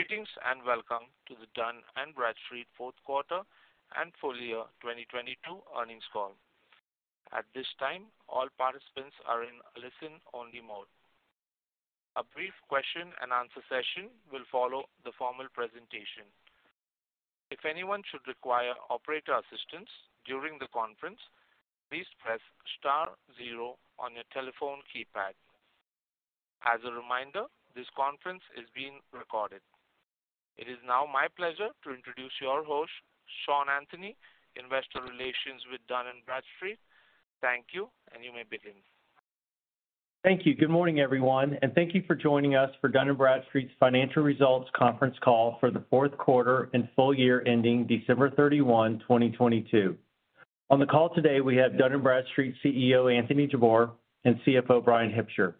Greetings. Welcome to the Dun & Bradstreet Q4 and full year 2022 earnings call. At this time, all participants are in listen-only mode. A brief question and answer session will follow the formal presentation. If anyone should require operator assistance during the conference, please press star zero on your telephone keypad. As a reminder, this conference is being recorded. It is now my pleasure to introduce your host, Sean Anthony, Investor Relations with Dun & Bradstreet. Thank you. You may begin. Thank you. Good morning, everyone, thank you for joining us for Dun & Bradstreet's financial results conference call for the Q4 and full year ending December 31 2022. On the call today, we have Dun & Bradstreet CEO Anthony Jabbour and CFO Bryan Hipsher.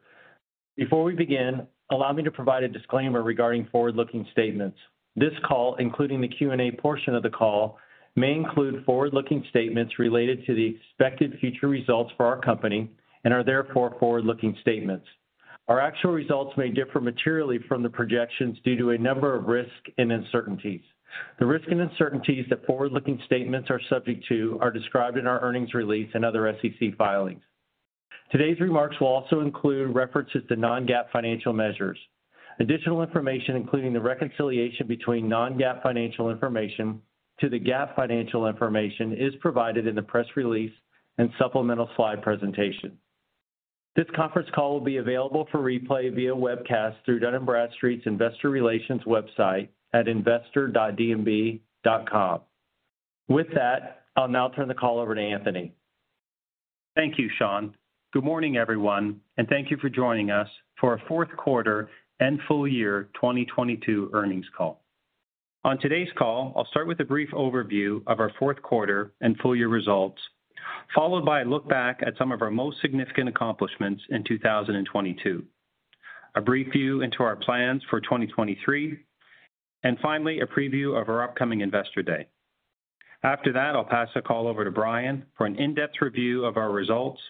Before we begin, allow me to provide a disclaimer regarding forward-looking statements. This call, including the Q&A portion of the call, may include forward-looking statements related to the expected future results for our company and are therefore forward-looking statements. Our actual results may differ materially from the projections due to a number of risks and uncertainties. The risks and uncertainties that forward-looking statements are subject to are described in our earnings release and other SEC filings. Today's remarks will also include references to non-GAAP financial measures. Additional information, including the reconciliation between non-GAAP financial information to the GAAP financial information, is provided in the press release and supplemental slide presentation. This conference call will be available for replay via webcast through Dun & Bradstreet's Investor Relations website at investor.dnb.com. With that, I'll now turn the call over to Anthony. Thank you, Sean. Good morning, everyone, and thank you for joining us for our Q4 and full year 2022 earnings call. On today's call, I'll start with a brief overview of our Q4 and full year results, followed by a look back at some of our most significant accomplishments in 2022, a brief view into our plans for 2023, and finally, a preview of our upcoming Investor Day. After that, I'll pass the call over to Bryan for an in-depth review of our results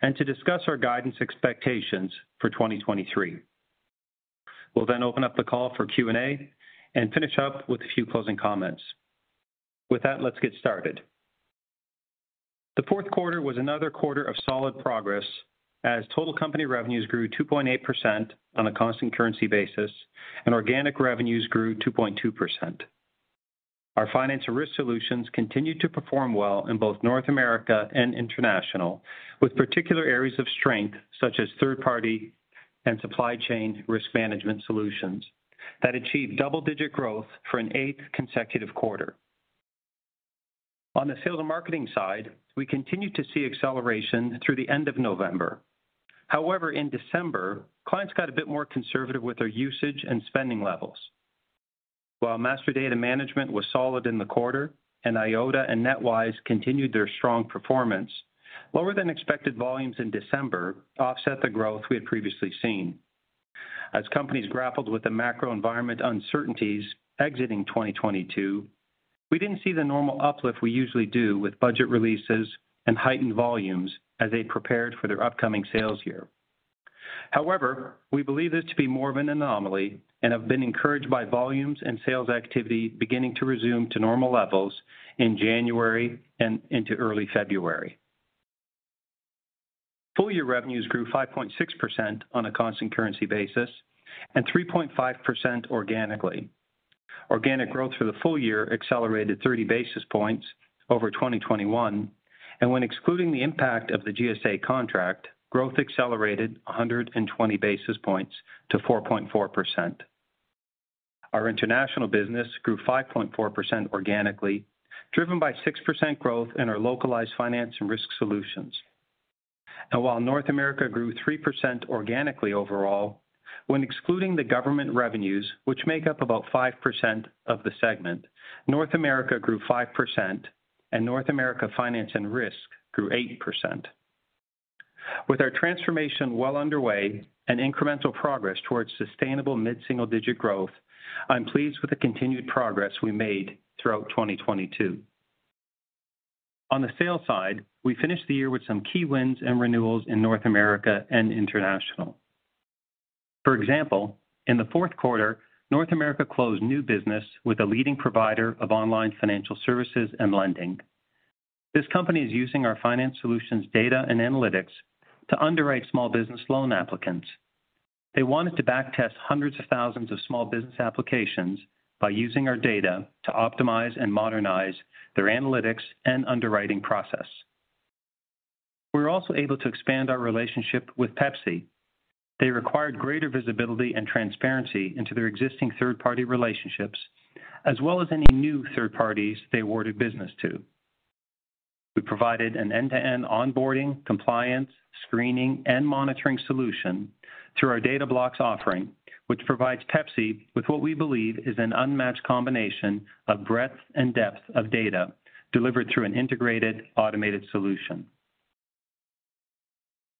and to discuss our guidance expectations for 2023. We'll open up the call for Q&A and finish up with a few closing comments. With that, let's get started. The Q4 was another quarter of solid progress as total company revenues grew 2.8% on a constant currency basis and organic revenues grew 2.2%. Our financial risk solutions continued to perform well in both North America and International, with particular areas of strength, such as third party and supply chain risk management solutions that achieved double-digit growth for an eighth consecutive quarter. On the sales and marketing side, we continued to see acceleration through the end of November. In December, clients got a bit more conservative with their usage and spending levels. Master Data Management was solid in the quarter and Eyeota and NetWise continued their strong performance, lower than expected volumes in December offset the growth we had previously seen. As companies grappled with the macro environment uncertainties exiting 2022, we didn't see the normal uplift we usually do with budget releases and heightened volumes as they prepared for their upcoming sales year. However, we believe this to be more of an anomaly and have been encouraged by volumes and sales activity beginning to resume to normal levels in January and into early February. Full year revenues grew 5.6% on a constant currency basis and 3.5% organically. Organic growth for the full year accelerated 30 basis points over 2021, and when excluding the impact of the GSA contract, growth accelerated 120 basis points to 4.4%. Our international business grew 5.4% organically, driven by 6% growth in our localized finance and risk solutions. While North America grew 3% organically overall, when excluding the government revenues, which make up about 5% of the segment, North America grew 5% and North America finance and risk grew 8%. With our transformation well underway and incremental progress towards sustainable mid-single digit growth, I'm pleased with the continued progress we made throughout 2022. On the sales side, we finished the year with some key wins and renewals in North America and International. For example, in the Q4, North America closed new business with a leading provider of online financial services and lending. This company is using our finance solutions data and analytics to underwrite small business loan applicants. They wanted to back test hundreds of thousands of small business applications by using our data to optimize and modernize their analytics and underwriting process. We were also able to expand our relationship with Pepsi. They required greater visibility and transparency into their existing third-party relationships, as well as any new third parties they awarded business to. We provided an end-to-end onboarding, compliance, screening, and monitoring solution through our Data Blocks offering, which provides Pepsi with what we believe is an unmatched combination of breadth and depth of data delivered through an integrated, automated solution.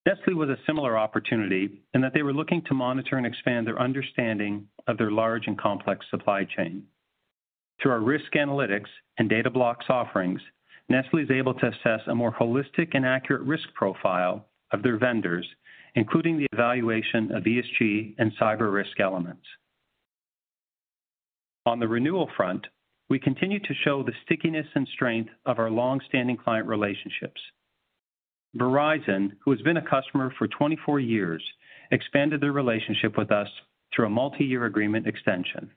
Nestlé was a similar opportunity in that they were looking to monitor and expand their understanding of their large and complex supply chain. Through our Risk Analytics and Data Blocks offerings, Nestlé is able to assess a more holistic and accurate risk profile of their vendors, including the evaluation of ESG and cyber risk elements. On the renewal front, we continue to show the stickiness and strength of our long-standing client relationships. Verizon, who has been a customer for 24 years, expanded their relationship with us through a multi-year agreement extension.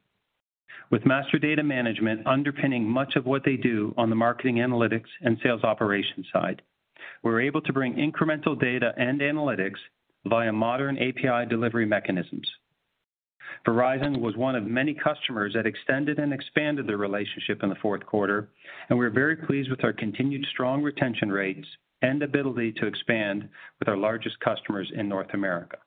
With Master Data Management underpinning much of what they do on the marketing analytics and sales operations side, we're able to bring incremental data and analytics via modern API delivery mechanisms. Verizon was one of many customers that extended and expanded their relationship in the Q4, and we're very pleased with our continued strong retention rates and ability to expand with our largest customers in North America.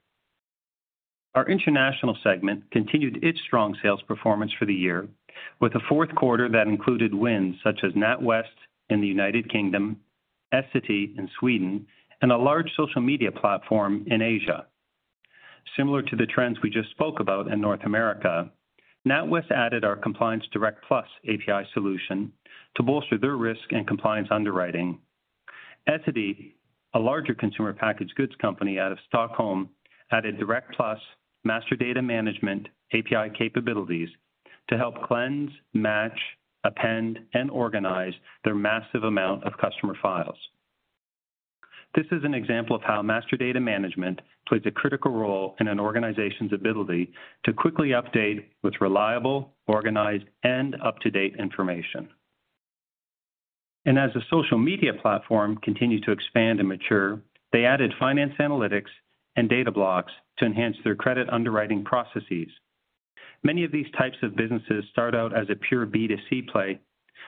Our international segment continued its strong sales performance for the year with a Q4 that included wins such as NatWest in the United Kingdom, Essity in Sweden, and a large social media platform in Asia. Similar to the trends we just spoke about in North America, NatWest added our Compliance Direct+ API solution to bolster their risk and compliance underwriting. Essity, a larger consumer packaged goods company out of Stockholm, added Direct+ Master Data Management API capabilities to help cleanse, match, append, and organize their massive amount of customer files. This is an example of how Master Data Management plays a critical role in an organization's ability to quickly update with reliable, organized, and up-to-date information. As the social media platform continued to expand and mature, they added Finance Analytics and Data Blocks to enhance their credit underwriting processes. Many of these types of businesses start out as a pure B2C play,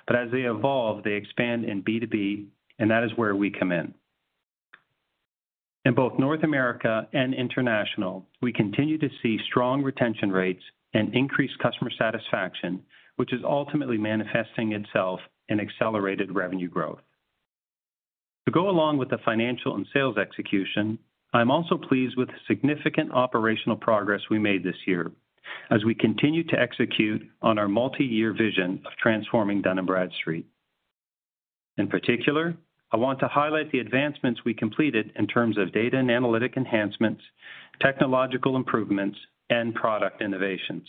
but as they evolve, they expand in B2B, and that is where we come in. In both North America and International, we continue to see strong retention rates and increased customer satisfaction, which is ultimately manifesting itself in accelerated revenue growth. To go along with the financial and sales execution, I'm also pleased with the significant operational progress we made this year as we continue to execute on our multi-year vision of transforming Dun & Bradstreet. In particular, I want to highlight the advancements we completed in terms of data and analytic enhancements, technological improvements, and product innovations.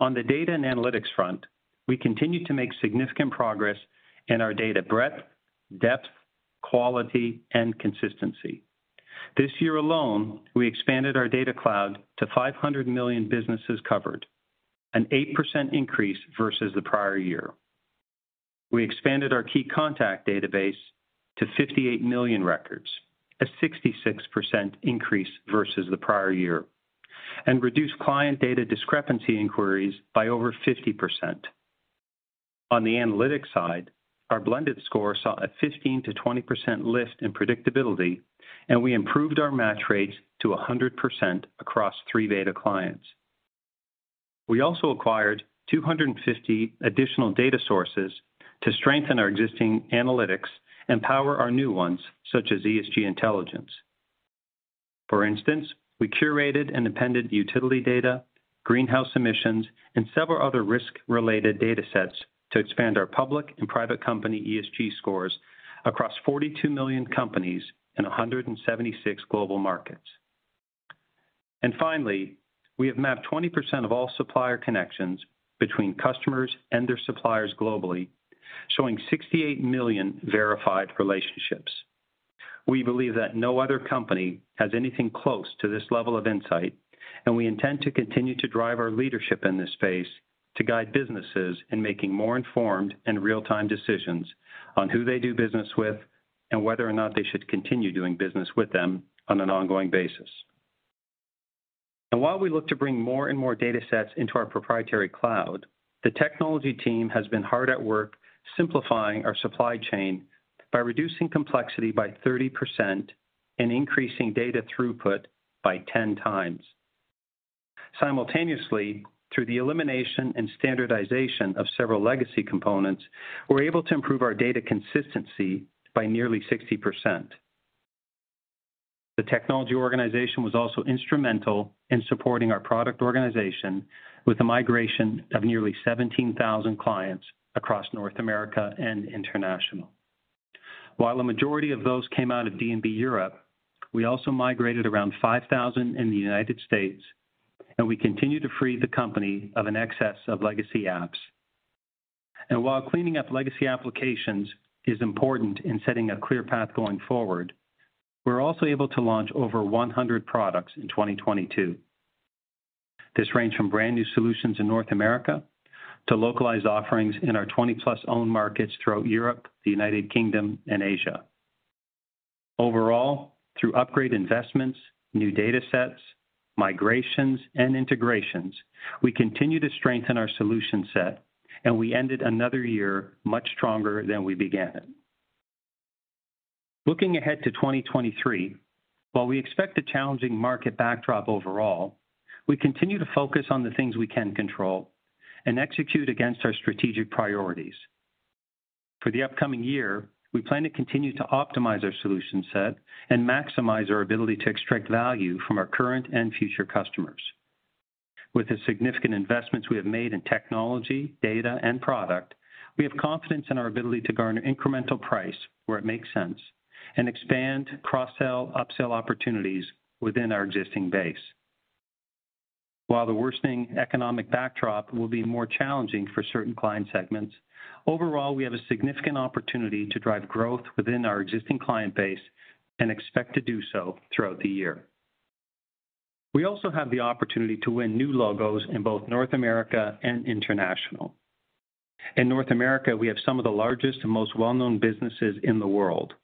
On the data and analytics front, we continue to make significant progress in our data breadth, depth, quality, and consistency. This year alone, we expanded our data cloud to 500,000,000 businesses covered, an 8% increase versus the prior year. We expanded our key contact database to 58,000,000 records, a 66% increase versus the prior year, and reduced client data discrepancy inquiries by over 50%. On the analytics side, our blended score saw a 15%-20% lift in predictability, and we improved our match rates to 100% across three data clients. We also acquired 250 additional data sources to strengthen our existing analytics and power our new ones, such as ESG Intelligence. For instance, we curated and appended utility data, greenhouse emissions, and several other risk-related datasets to expand our public and private company ESG scores across 42,000,000 companies in 176 global markets. Finally, we have mapped 20% of all supplier connections between customers and their suppliers globally, showing 68,000,000 verified relationships. We believe that no other company has anything close to this level of insight, and we intend to continue to drive our leadership in this space to guide businesses in making more informed and real-time decisions on who they do business with and whether or not they should continue doing business with them on an ongoing basis. While we look to bring more and more datasets into our proprietary cloud, the technology team has been hard at work simplifying our supply chain by reducing complexity by 30% and increasing data throughput by 10x. Simultaneously, through the elimination and standardization of several legacy components, we're able to improve our data consistency by nearly 60%. The technology organization was also instrumental in supporting our product organization with the migration of nearly 17,000 clients across North America and International. While a majority of those came out of D&B Europe, we also migrated around 5,000 in the United States. We continue to free the company of an excess of legacy apps. While cleaning up legacy applications is important in setting a clear path going forward, we're also able to launch over 100 products in 2022. This ranged from brand-new solutions in North America to localized offerings in our 20+ own markets throughout Europe, the United Kingdom, and Asia. Overall, through upgrade investments, new datasets, migrations, and integrations, we continue to strengthen our solution set. We ended another year much stronger than we began it. Looking ahead to 2023, while we expect a challenging market backdrop overall, we continue to focus on the things we can control and execute against our strategic priorities. For the upcoming year, we plan to continue to optimize our solution set and maximize our ability to extract value from our current and future customers. With the significant investments we have made in technology, data, and product, we have confidence in our ability to garner incremental price where it makes sense and expand cross-sell, upsell opportunities within our existing base. While the worsening economic backdrop will be more challenging for certain client segments, overall, we have a significant opportunity to drive growth within our existing client base and expect to do so throughout the year. We also have the opportunity to win new logos in both North America and international. In North America, we have some of the largest and most well-known businesses in the world.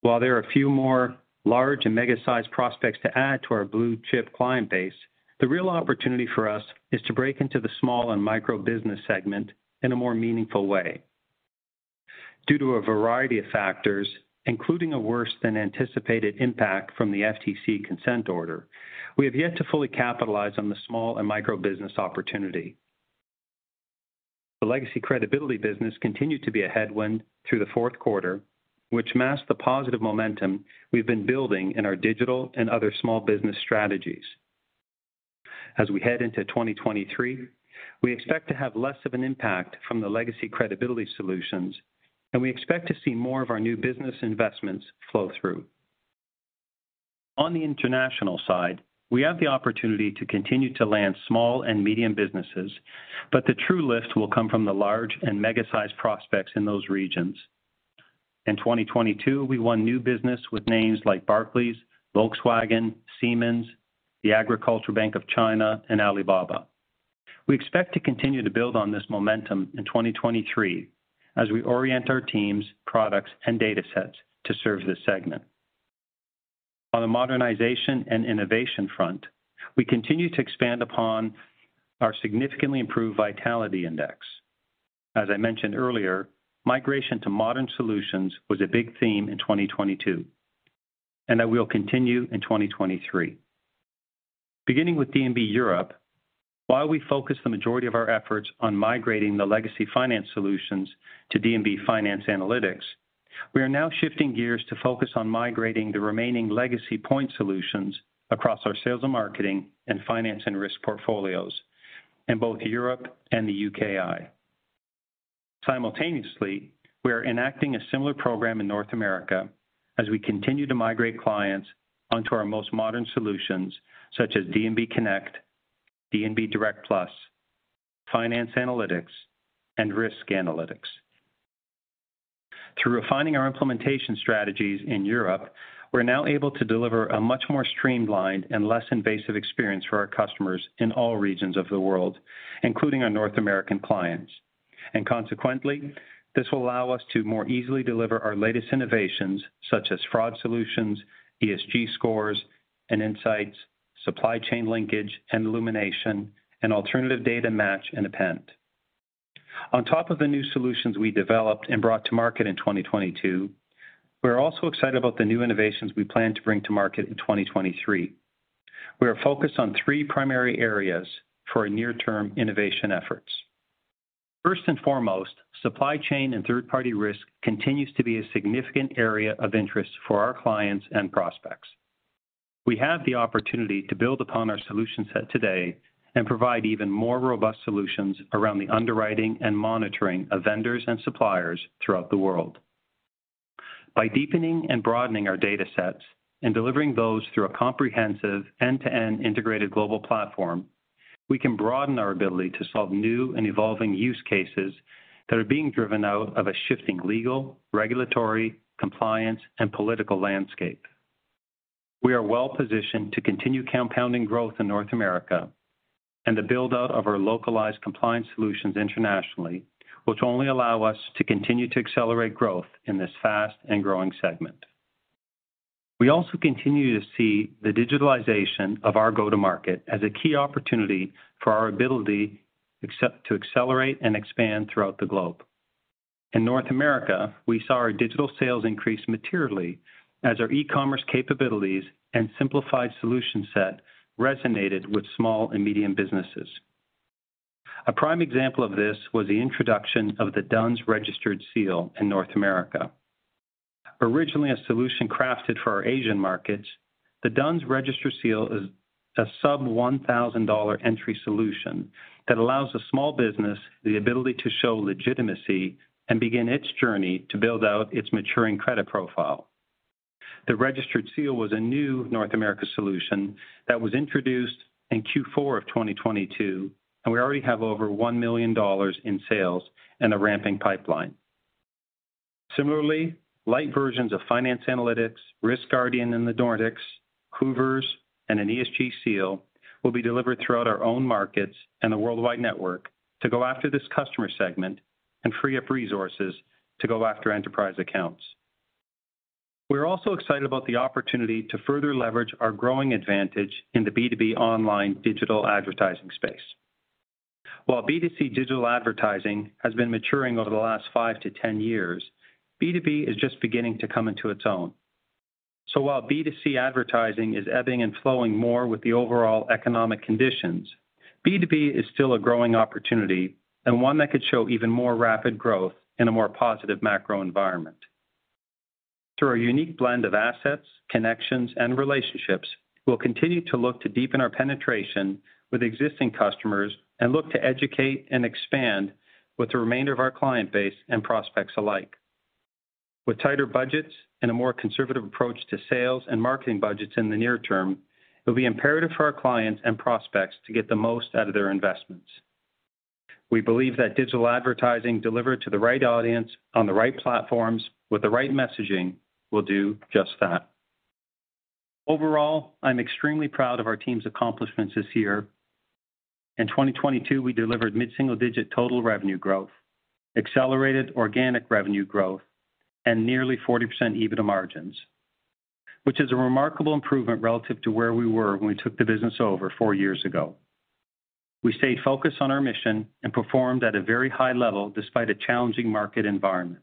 While there are a few more large and mega-sized prospects to add to our blue-chip client base, the real opportunity for us is to break into the small and micro business segment in a more meaningful way. Due to a variety of factors, including a worse than anticipated impact from the FTC consent order, we have yet to fully capitalize on the small and micro business opportunity. The legacy credibility business continued to be a headwind through the Q4, which masked the positive momentum we've been building in our digital and other small business strategies. As we head into 2023, we expect to have less of an impact from the legacy credibility solutions, and we expect to see more of our new business investments flow through. On the international side, we have the opportunity to continue to land small and medium businesses, but the true lift will come from the large and mega-sized prospects in those regions. In 2022, we won new business with names like Barclays, Volkswagen, Siemens, the Agricultural Bank of China, and Alibaba. We expect to continue to build on this momentum in 2023 as we orient our teams, products, and data sets to serve this segment. On the modernization and innovation front, we continue to expand upon our significantly improved vitality index. As I mentioned earlier, migration to modern solutions was a big theme in 2022. That will continue in 2023. Beginning with D&B Europe, while we focus the majority of our efforts on migrating the legacy finance solutions to D&B Finance Analytics, we are now shifting gears to focus on migrating the remaining legacy point solutions across our sales and marketing and finance and risk portfolios in both Europe and the UKI. Simultaneously, we are enacting a similar program in North America as we continue to migrate clients onto our most modern solutions, such as D&B Connect, D&B Direct+,Finance Analytics, and Risk Analytics. Through refining our implementation strategies in Europe, we're now able to deliver a much more streamlined and less invasive experience for our customers in all regions of the world, including our North American clients. Consequently, this will allow us to more easily deliver our latest innovations, such as fraud solutions, ESG scores and insights, supply chain linkage and illumination, and alternative data match and append. On top of the new solutions we developed and brought to market in 2022, we are also excited about the new innovations we plan to bring to market in 2023. We are focused on three primary areas for our near-term innovation efforts. First and foremost, supply chain and third-party risk continues to be a significant area of interest for our clients and prospects. We have the opportunity to build upon our solution set today and provide even more robust solutions around the underwriting and monitoring of vendors and suppliers throughout the world. By deepening and broadening our data sets and delivering those through a comprehensive end-to-end integrated global platform, we can broaden our ability to solve new and evolving use cases that are being driven out of a shifting legal, regulatory, compliance, and political landscape. We are well-positioned to continue compounding growth in North America and the build-out of our localized compliance solutions internationally, which only allow us to continue to accelerate growth in this fast and growing segment. We also continue to see the digitalization of our go-to-market as a key opportunity for our ability to accelerate and expand throughout the globe. In North America, we saw our digital sales increase materially as our e-commerce capabilities and simplified solution set resonated with small and medium businesses. A prime example of this was the introduction of the D-U-N-S Registered Seal in North America. Originally a solution crafted for our Asian markets, the D-U-N-S Registered Seal is a sub $1,000 entry solution that allows a small business the ability to show legitimacy and begin its journey to build out its maturing credit profile. The Registered Seal was a new North America solution that was introduced in Q4 of 2022. We already have over $1 million in sales and a ramping pipeline. Similarly, light versions of Finance Analytics, RiskGuardian in the Nordics, Hoovers, and an ESG seal will be delivered throughout our own markets and the worldwide network to go after this customer segment and free up resources to go after enterprise accounts. We're also excited about the opportunity to further leverage our growing advantage in the B2B online digital advertising space. B2C digital advertising has been maturing over the last five to 10 years, B2B is just beginning to come into its own. While B2C advertising is ebbing and flowing more with the overall economic conditions, B2B is still a growing opportunity and one that could show even more rapid growth in a more positive macro environment. Through our unique blend of assets, connections, and relationships, we'll continue to look to deepen our penetration with existing customers and look to educate and expand with the remainder of our client base and prospects alike. With tighter budgets and a more conservative approach to sales and marketing budgets in the near term, it will be imperative for our clients and prospects to get the most out of their investments. We believe that digital advertising delivered to the right audience on the right platforms with the right messaging will do just that. Overall, I'm extremely proud of our team's accomplishments this year. In 2022, we delivered mid-single-digit total revenue growth, accelerated organic revenue growth, and nearly 40% EBITDA margins, which is a remarkable improvement relative to where we were when we took the business over four years ago. We stayed focused on our mission and performed at a very high level despite a challenging market environment.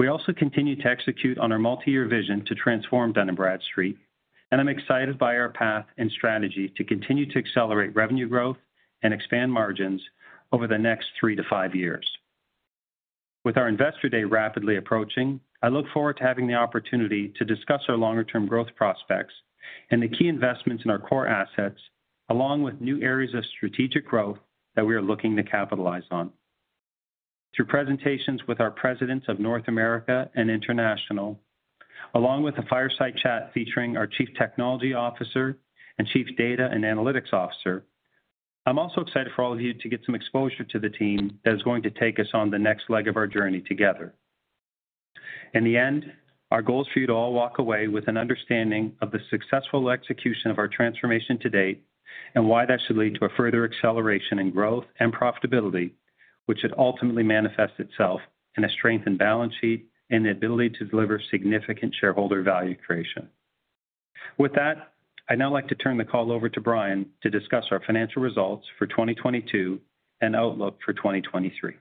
We also continue to execute on our multi-year vision to transform Dun & Bradstreet, and I'm excited by our path and strategy to continue to accelerate revenue growth and expand margins over the next three to five years. With our Investor Day rapidly approaching, I look forward to having the opportunity to discuss our longer-term growth prospects and the key investments in our core assets, along with new areas of strategic growth that we are looking to capitalize on. Through presentations with our presidents of North America and International, along with a fireside chat featuring our Chief Technology Officer and Chief Data and Analytics Officer, I'm also excited for all of you to get some exposure to the team that is going to take us on the next leg of our journey together. In the end, our goal is for you to all walk away with an understanding of the successful execution of our transformation to date and why that should lead to a further acceleration in growth and profitability, which should ultimately manifest itself in a strengthened balance sheet and the ability to deliver significant shareholder value creation. With that, I'd now like to turn the call over to Bryan to discuss our financial results for 2022 and outlook for 2023.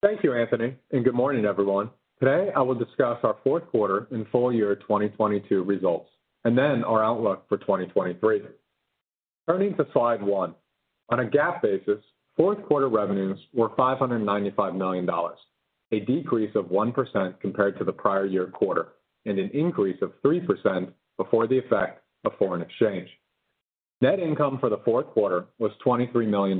Thank you, Anthony, and good morning, everyone. Today, I will discuss our Q4 and full year 2022 results. Then our outlook for 2023. Turning to slide one. On a GAAP basis, Q4 revenues were $595 million, a decrease of 1% compared to the prior year quarter and an increase of 3% before the effect of foreign exchange. Net income for the Q4 was $23 million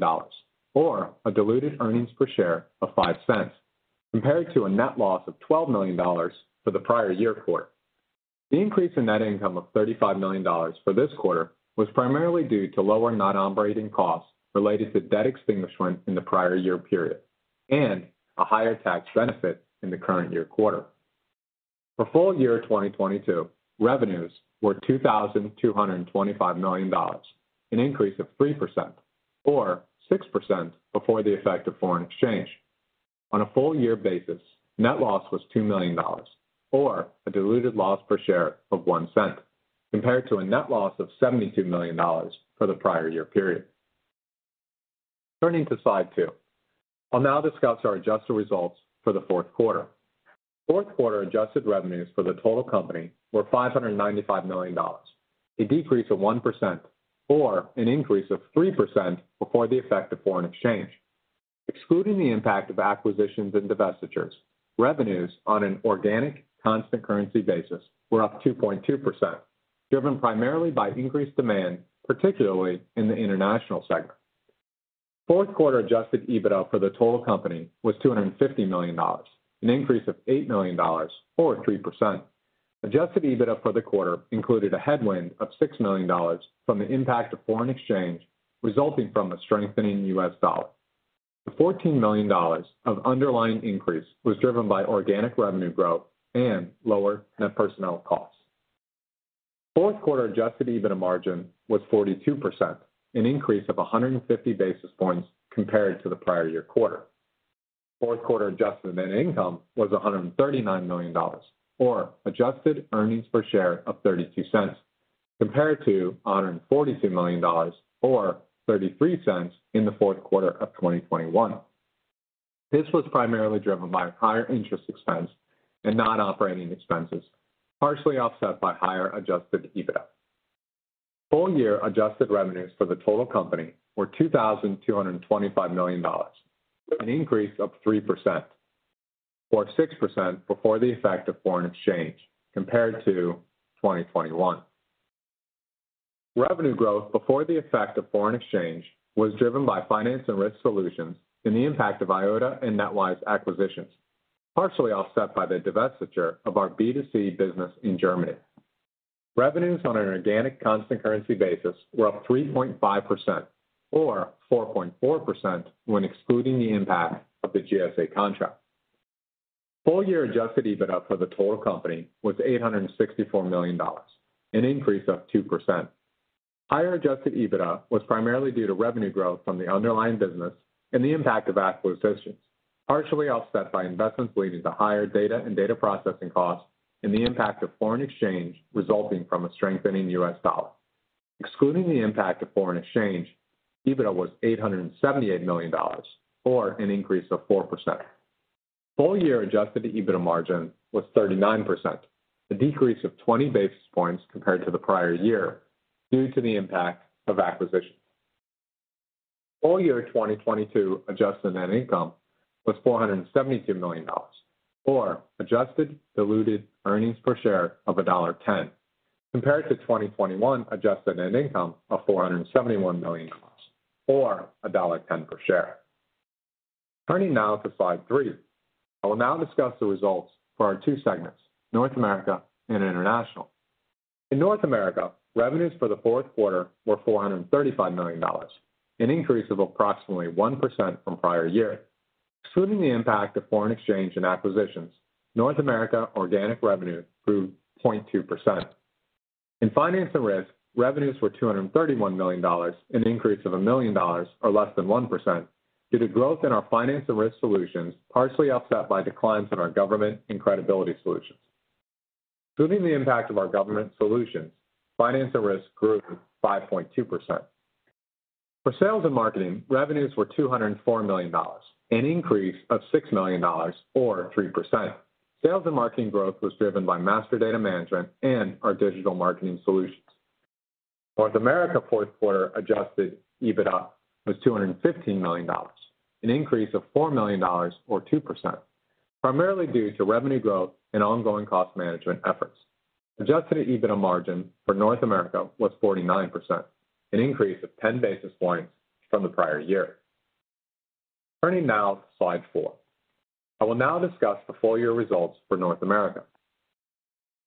or a diluted earnings per share of $0.05, compared to a net loss of $12 million for the prior year quarter. The increase in net income of $35 million for this quarter was primarily due to lower non-operating costs related to debt extinguishment in the prior year period and a higher tax benefit in the current year quarter. For full year 2022, revenues were $2,225 million, an increase of 3% or 6% before the effect of foreign exchange. On a full year basis, net loss was $2 million or a diluted loss per share of $0.01, compared to a net loss of $72 million for the prior year period. Turning to slide two. I'll now discuss our adjusted results for the Q4. Q4 adjusted revenues for the total company were $595 million, a decrease of 1% or an increase of 3% before the effect of foreign exchange. Excluding the impact of acquisitions and divestitures, revenues on an organic constant currency basis were up 2.2%, driven primarily by increased demand, particularly in the international segment. Q4 adjusted EBITDA for the total company was $250 million, an increase of $8 million or 3%. Adjusted EBITDA for the quarter included a headwind of $6 million from the impact of foreign exchange resulting from a strengthening U.S. dollar. The $14 million of underlying increase was driven by organic revenue growth and lower net personnel costs. Q4 adjusted EBITDA margin was 42%, an increase of 150 basis points compared to the prior year quarter. Q4 adjusted net income was $139 million or adjusted earnings per share of $0.32 compared to $142 million or $0.33 in the Q4 of 2021. This was primarily driven by higher interest expense and non-operating expenses, partially offset by higher adjusted EBITDA. Full year adjusted revenues for the total company were $2,225 million, an increase of 3% or 6% before the effect of foreign exchange compared to 2021. Revenue growth before the effect of foreign exchange was driven by finance and risk solutions and the impact of Eyeota and NetWise acquisitions, partially offset by the divestiture of our B2C business in Germany. Revenues on an organic constant currency basis were up 3.5% or 4.4% when excluding the impact of the GSA contract. Full year adjusted EBITDA for the total company was $864 million, an increase of 2%. Higher adjusted EBITDA was primarily due to revenue growth from the underlying business and the impact of acquisitions, partially offset by investments leading to higher data and data processing costs and the impact of foreign exchange resulting from a strengthening U.S. dollar. Excluding the impact of foreign exchange, EBITDA was $878 million, or an increase of 4%. Full year adjusted EBITDA margin was 39%, a decrease of 20 basis points compared to the prior year due to the impact of acquisitions. Full year 2022 adjusted net income was $400 million or adjusted diluted earnings per share of $1.10 compared to 2021 adjusted net income of $471 million or $1.10 per share. Turning now to slide three. I will now discuss the results for our two segments, North America and International. In North America, revenues for the Q4 were $435 million, an increase of approximately 1% from prior year. Excluding the impact of foreign exchange and acquisitions, North America organic revenue grew 0.2%. In finance and risk, revenues were $231 million, an increase of $1 million or less than 1% due to growth in our finance and risk solutions, partially offset by declines in our government and credibility solutions. Excluding the impact of our government solutions, finance and risk grew 5.2%. For sales and marketing, revenues were $204 million, an increase of $6 million or 3%. Sales and marketing growth was driven by Master Data Management and our digital marketing solutions. North America Q4 adjusted EBITDA was $215 million, an increase of $4 million or 2%, primarily due to revenue growth and ongoing cost management efforts. Adjusted EBITDA margin for North America was 49%, an increase of 10 basis points from the prior year. Turning now to slide four. I will now discuss the full year results for North America.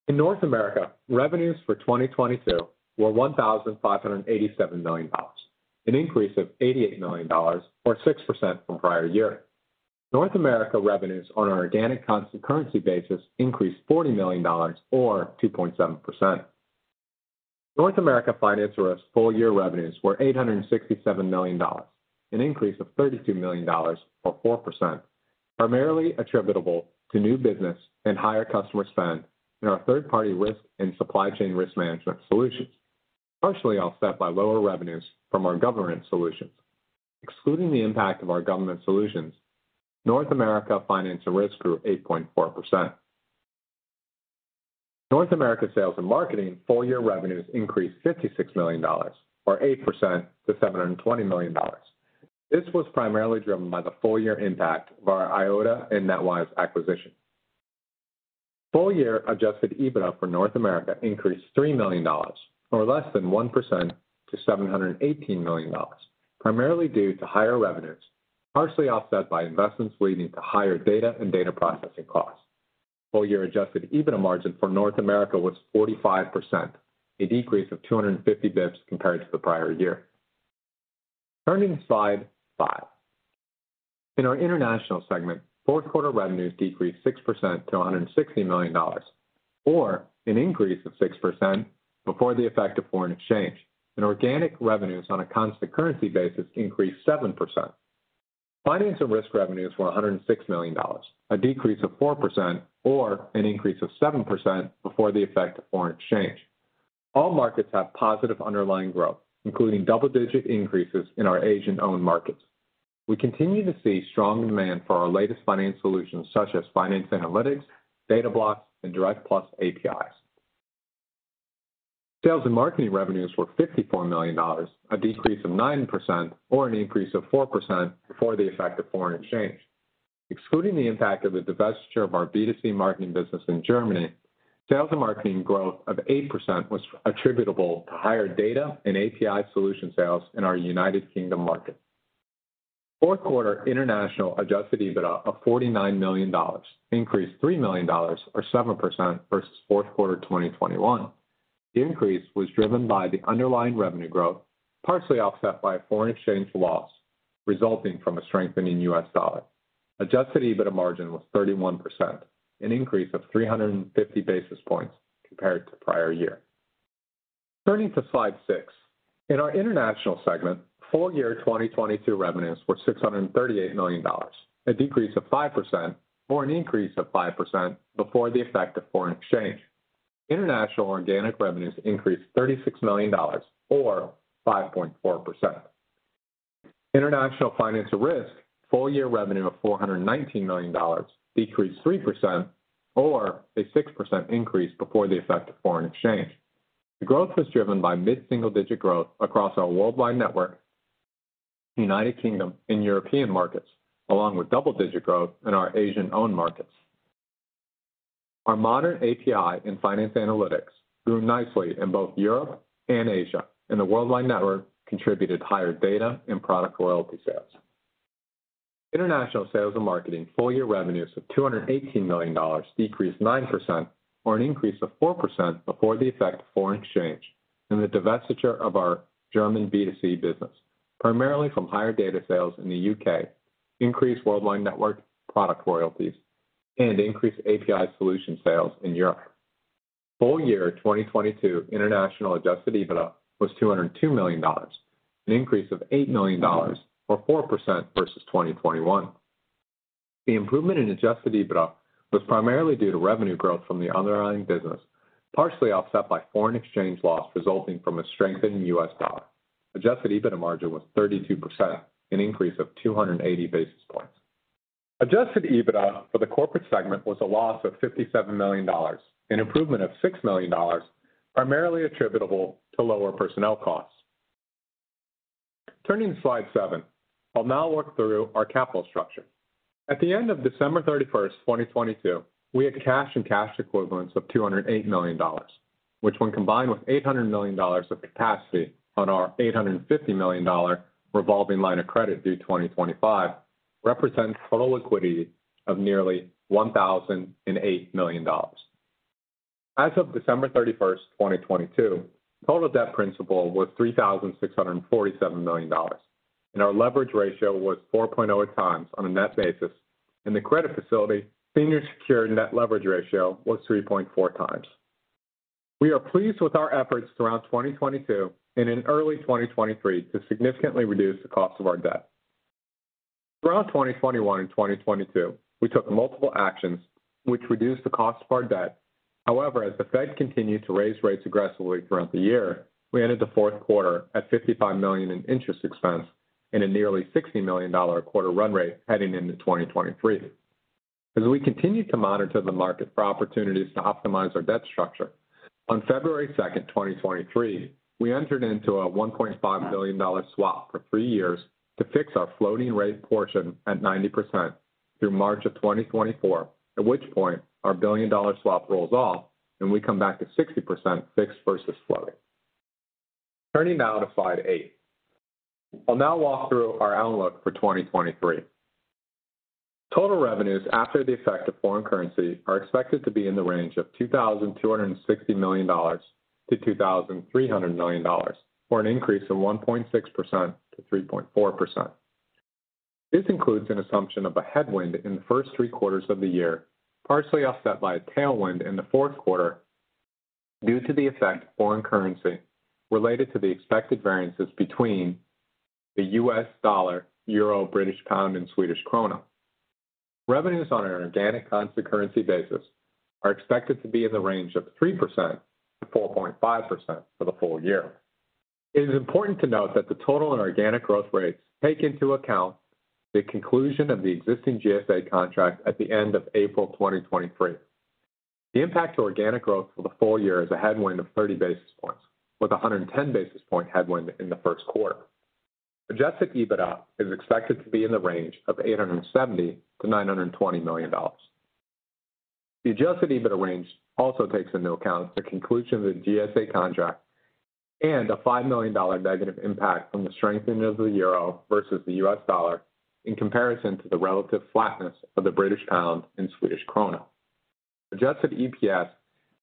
In North America, revenues for 2022 were $1,587 million, an increase of $88 million or 6% from prior year. North America revenues on an organic constant currency basis increased $40 million or 2.7%. North America finance risk full year revenues were $867 million, an increase of $32 million or 4%, primarily attributable to new business and higher customer spend in our third-party risk and supply chain risk management solutions, partially offset by lower revenues from our government solutions. Excluding the impact of our government solutions, North America finance and risk grew 8.4%. North America sales and marketing full year revenues increased $56 million or 8% to $720 million. This was primarily driven by the full year impact of our Eyeota and NetWise acquisitions. Full year adjusted EBITDA for North America increased $3 million or less than 1% to $718 million, primarily due to higher revenues, partially offset by investments leading to higher data and data processing costs. Full year adjusted EBITDA margin for North America was 45%, a decrease of 250 basis points compared to the prior year. Turning to slide five. In our international segment, Q4 revenues decreased 6% to $160 million, or an increase of 6% before the effect of foreign exchange, and organic revenues on a constant currency basis increased 7%. Finance Analytics and risk revenues were $106 million, a decrease of 4% or an increase of 7% before the effect of foreign exchange. All markets have positive underlying growth, including double-digit increases in our Asian-owned markets. We continue to see strong demand for our latest finance solutions such as Finance Analytics, Data Blocks, and Direct+ APIs. Sales and marketing revenues were $54 million, a decrease of 9% or an increase of 4% before the effect of foreign exchange. Excluding the impact of the divestiture of our B2C marketing business in Germany, sales and marketing growth of 8% was attributable to higher data and API solution sales in our United Kingdom market. Q4 international adjusted EBITDA of $49 million increased $3 million or 7% versus Q4 2021. The increase was driven by the underlying revenue growth, partially offset by a foreign exchange loss resulting from a strengthening U.S. dollar. Adjusted EBITDA margin was 31%, an increase of 350 basis points compared to prior year. Turning to slide six. In our international segment, full year 2022 revenues were $638 million, a decrease of 5% or an increase of 5% before the effect of foreign exchange. International organic revenues increased $36 million or 5.4%. International finance and risk full year revenue of $419 million decreased 3% or a 6% increase before the effect of foreign exchange. The growth was driven by mid-single digit growth across our worldwide network, United Kingdom and European markets, along with double-digit growth in our Asian-owned markets. Our modern API and Finance Analytics grew nicely in both Europe and Asia, and the worldwide network contributed higher data and product royalty sales. International sales and marketing full year revenues of $218 million decreased 9% or an increase of 4% before the effect of foreign exchange and the divestiture of our German B2C business, primarily from higher data sales in the U.K., increased worldwide network product royalties, and increased API solution sales in Europe. Full year 2022 international adjusted EBITDA was $202 million, an increase of $8 million or 4% versus 2021. The improvement in adjusted EBITDA was primarily due to revenue growth from the underlying business, partially offset by foreign exchange loss resulting from a strengthening U.S. dollar. Adjusted EBITDA margin was 32%, an increase of 280 basis points. Adjusted EBITDA for the corporate segment was a loss of $57 million, an improvement of $6 million, primarily attributable to lower personnel costs. Turning to slide seven, I'll now walk through our capital structure. At the end of December 31st 2022, we had cash and cash equivalents of $208 million. Which when combined with $800 million of capacity on our $850 million revolving line of credit due 2025, represents total liquidity of nearly $1,008 million. As of December 31st 2022, total debt principal was $3,647 million, and our leverage ratio was 4.0x on a net basis, and the credit facility senior secured net leverage ratio was 3.4x. We are pleased with our efforts throughout 2022 and in early 2023 to significantly reduce the cost of our debt. Throughout 2021 and 2022, we took multiple actions which reduced the cost of our debt. As the Fed continued to raise rates aggressively throughout the year, we ended the Q4 at $55 million in interest expense and a nearly $60 million quarter run rate heading into 2023. As we continue to monitor the market for opportunities to optimize our debt structure, on February 2nd 2023, we entered into a $1.5 billion swap for three years to fix our floating rate portion at 90% through March of 2024, at which point our billion-dollar swap rolls off, and we come back to 60% fixed versus floating. Turning now to slide eight. I'll now walk through our outlook for 2023. Total revenues after the effect of foreign currency are expected to be in the range of $2,260 million-$2,300 million, or an increase of 1.6%-3.4%. This includes an assumption of a headwind in the first three quarters of the year, partially offset by a tailwind in the Q4 due to the effect of foreign currency related to the expected variances between the U.S. dollar, euro, British pound, and Swedish krona. Revenues on an organic constant currency basis are expected to be in the range of 3%-4.5% for the full year. It is important to note that the total and organic growth rates take into account the conclusion of the existing GSA contract at the end of April 2023. The impact to organic growth for the full year is a headwind of 30 basis points, with a 110 basis point headwind in the first quarter. Adjusted EBITDA is expected to be in the range of $870 million-$920 million. The adjusted EBITDA range also takes into account the conclusion of the GSA contract and a $5 million negative impact from the strengthening of the euro versus the U.S. dollar in comparison to the relative flatness of the British pound and Swedish krona. Adjusted EPS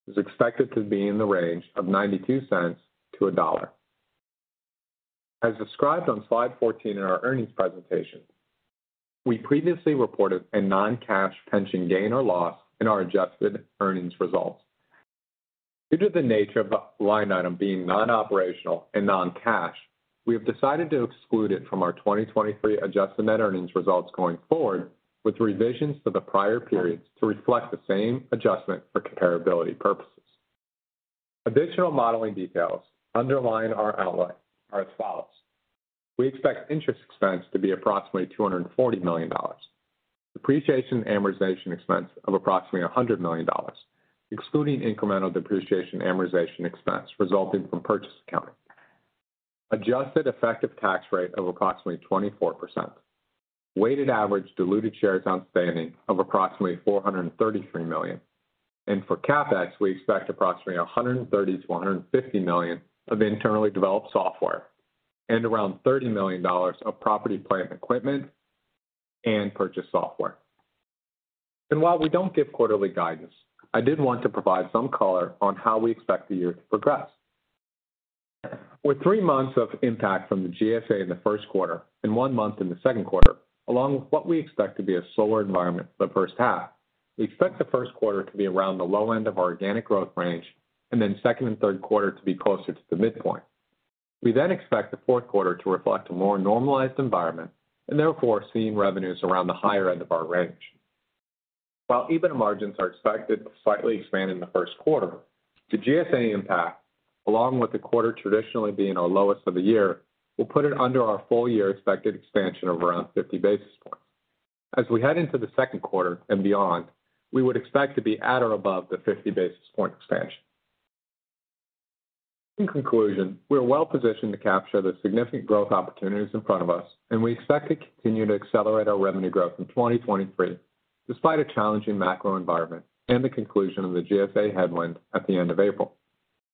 is expected to be in the range of $0.92-$1.00. As described on slide 14 in our earnings presentation, we previously reported a non-cash pension gain or loss in our adjusted earnings results. Due to the nature of the line item being non-operational and non-cash, we have decided to exclude it from our 2023 adjusted net earnings results going forward, with revisions to the prior periods to reflect the same adjustment for comparability purposes. Additional modeling details underlying our outlook are as follows. We expect interest expense to be approximately $240 million. Depreciation and amortization expense of approximately $100 million, excluding incremental depreciation and amortization expense resulting from purchase accounting. Adjusted effective tax rate of approximately 24%. Weighted average diluted shares outstanding of approximately 433 million. For CapEx, we expect approximately $130 million-$150 million of internally developed software and around $30 million of property, plant, and equipment and purchased software. While we don't give quarterly guidance, I did want to provide some color on how we expect the year to progress. With three months of impact from the GSA in the Q1 and one month in the Q2, along with what we expect to be a slower environment for the first half, we expect the Q1 to be around the low end of our organic growth range and then second and Q3 to be closer to the midpoint. We expect the Q4 to reflect a more normalized environment and therefore seeing revenues around the higher end of our range. While EBITDA margins are expected to slightly expand in the Q1, the GSA impact, along with the quarter traditionally being our lowest of the year, will put it under our full year expected expansion of around 50 basis points. As we head into the Q2 and beyond, we would expect to be at or above the 50 basis point expansion. In conclusion, we are well-positioned to capture the significant growth opportunities in front of us, and we expect to continue to accelerate our revenue growth in 2023 despite a challenging macro environment and the conclusion of the GSA headwind at the end of April.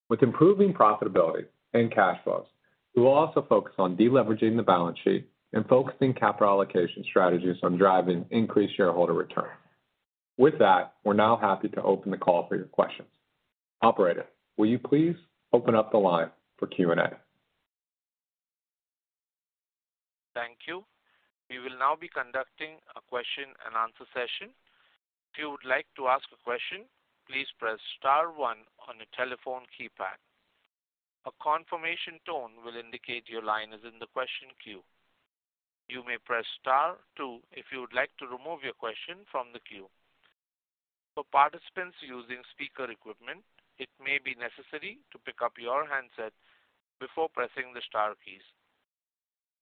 With improving profitability and cash flows, we will also focus on deleveraging the balance sheet and focusing capital allocation strategies on driving increased shareholder return. With that, we're now happy to open the call for your questions. Operator, will you please open up the line for Q&A? Thank you. We will now be conducting a question and answer session. If you would like to ask a question, please press star one on your telephone keypad. A confirmation tone will indicate your line is in the question queue. You may press star two if you would like to remove your question from the queue. For participants using speaker equipment, it may be necessary to pick up your handset before pressing the star keys.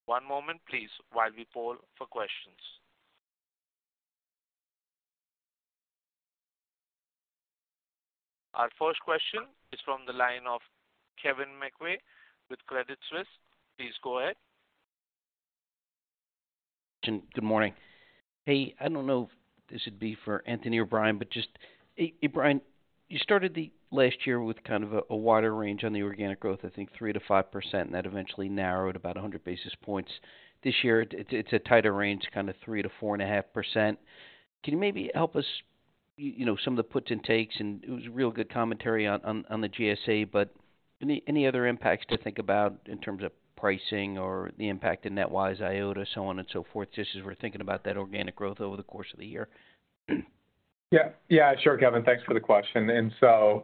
One moment please while we poll for questions. Our first question is from the line of Kevin McVeigh with Credit Suisse. Please go ahead. Good morning. Hey, I don't know if this would be for Anthony or Bryan, but just, hey, Bryan, you started the last year with kind of a wider range on the organic growth, I think 3%-5%, and that eventually narrowed about 100 basis points. This year it's a tighter range, kind of 3%-4.5%. Can you maybe help us, you know, some of the puts and takes, and it was real good commentary on the GSA, but any other impacts to think about in terms of pricing or the impact in NetWise, Eyeota, so on and so forth, just as we're thinking about that organic growth over the course of the year? Yeah. Yeah, sure, Kevin. Thanks for the question.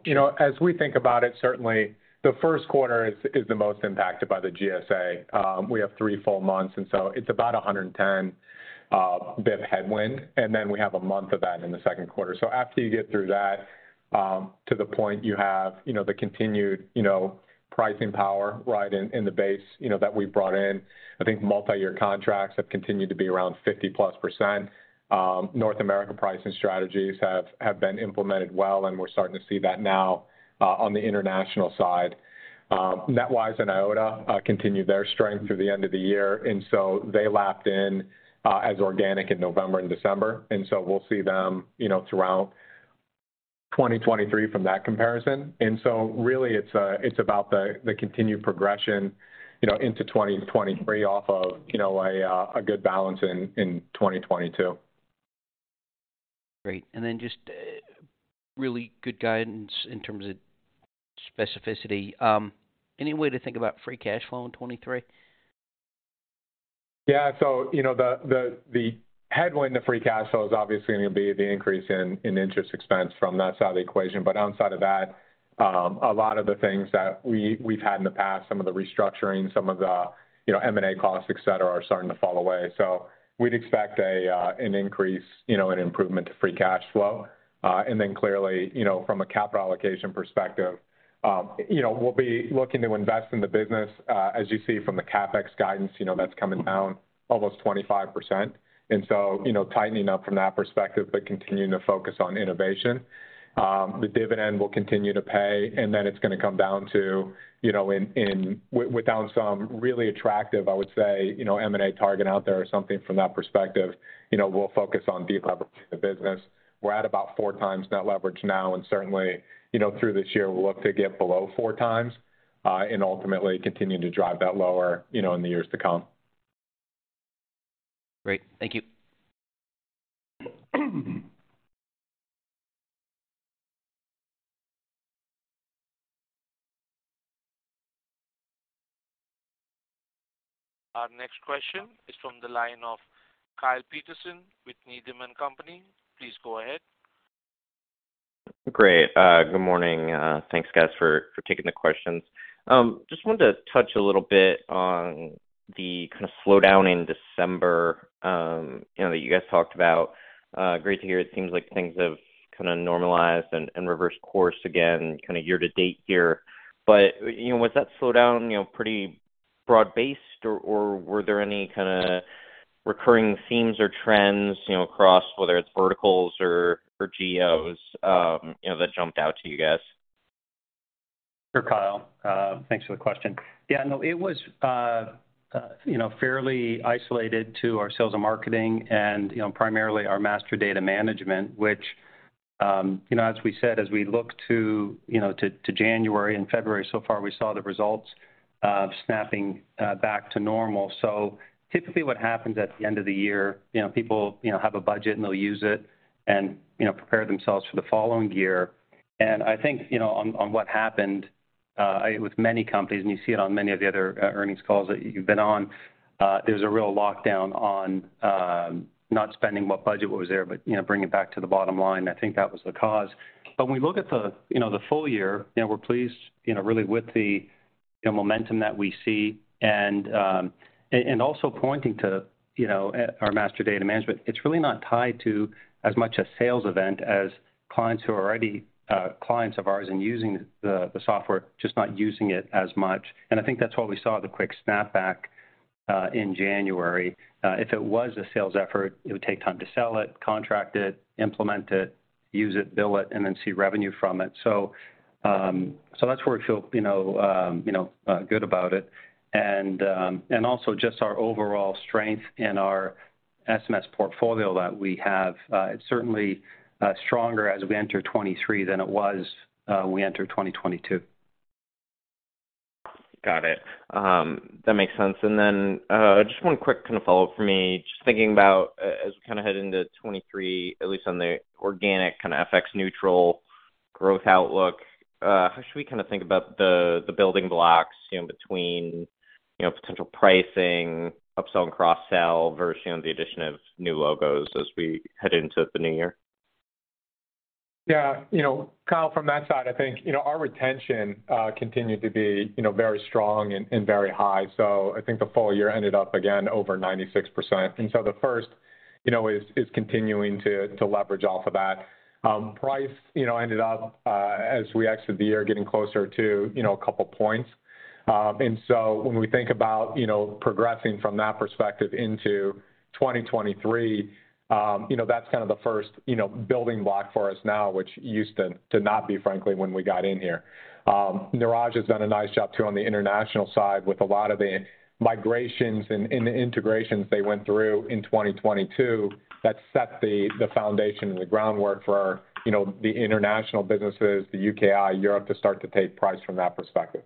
you know, as we think about it, certainly the Q1 is the most impacted by the GSA. We have three full months, and so it's about 110 basis points headwind, and then we have a month of that in the Q2. After you get through that, to the point you have, you know, the continued, you know, pricing power right in the base, you know, that we've brought in. I think multi-year contracts have continued to be around 50+%. North America pricing strategies have been implemented well, and we're starting to see that now on the international side. NetWise and Eyeota continue their strength through the end of the year, and so they lapped in as organic in November and December, and so we'll see them, you know, throughout 2023 from that comparison. Really it's about the continued progression, you know, into 2023 off of, you know, a good balance in 2022. Great. Then just, really good guidance in terms of specificity. Any way to think about free cash flow in 2023? The headwind to free cash flow is obviously going to be the increase in interest expense from that side of the equation. Outside of that, a lot of the things that we've had in the past, some of the restructuring, some of the, you know, M&A costs, et cetera, are starting to fall away. We'd expect an increase, you know, an improvement to free cash flow. Clearly, you know, from a capital allocation perspective, we'll be looking to invest in the business. As you see from the CapEx guidance, you know, that's coming down almost 25%. Tightening up from that perspective, but continuing to focus on innovation. The dividend will continue to pay. Then it's gonna come down to, you know, without some really attractive, I would say, you know, M&A target out there or something from that perspective, you know, we'll focus on deleveraging the business. We're at about 4x net leverage now and certainly, you know, through this year, we'll look to get below 4x and ultimately continuing to drive that lower, you know, in the years to come. Great. Thank you. Our next question is from the line of Kyle Peterson with Needham & Company. Please go ahead. Great. Good morning. Thanks guys for taking the questions. Just wanted to touch a little bit on the kind of slowdown in December, you know, that you guys talked about. Great to hear it seems like things have kind of normalized and reversed course again kind of year to date here. You know, was that slowdown, you know, pretty broad-based or were there any kinda recurring themes or trends, you know, across whether it's verticals or geos, you know, that jumped out to you guys? Sure, Kyle. Thanks for the question. Yeah, no, it was, you know, fairly isolated to our sales and marketing and, you know, primarily our Master Data Management, which, you know, as we said, as we look to, you know, to January and February so far, we saw the results of snapping back to normal. Typically what happens at the end of the year, you know, people, you know, have a budget and they'll use it and, you know, prepare themselves for the following year. I think, you know, on what happened with many companies, and you see it on many of the other earnings calls that you've been on, there's a real lockdown on not spending what budget was there, but, you know, bringing it back to the bottom line. I think that was the cause. When we look at the, you know, the full year, you know, we're pleased, you know, really with the, you know, momentum that we see and also pointing to, you know, our Master Data Management. It's really not tied to as much a sales event as clients who are already clients of ours and using the software, just not using it as much. I think that's why we saw the quick snap back in January. If it was a sales effort, it would take time to sell it, contract it, implement it, use it, bill it, and then see revenue from it. That's where we feel, you know, you know, good about it. Also just our overall strength in our SMS portfolio that we have. It's certainly stronger as we enter 2023 than it was, we entered 2022. Got it. That makes sense. Just one quick kind of follow-up for me. Just thinking about as we kind of head into 2023, at least on the organic kind of FX neutral growth outlook, how should we kind of think about the building blocks, you know, between, you know, potential pricing, upsell and cross-sell versus, you know, the addition of new logos as we head into the new year? Yeah. You know, Kyle, from that side, I think, you know, our retention, continued to be, you know, very strong and very high. I think the full year ended up again over 96%. The first, you know, is continuing to leverage off of that. price, you know, ended up, as we exit the year getting closer to, you know, a couple points. When we think about, you know, progressing from that perspective into 2023, you know, that's kind of the first, you know, building block for us now, which used to not be, frankly, when we got in here. Neeraj has done a nice job too on the international side with a lot of the migrations and the integrations they went through in 2022 that set the foundation and the groundwork for, you know, the international businesses, the UKI, Europe, to start to take price from that perspective.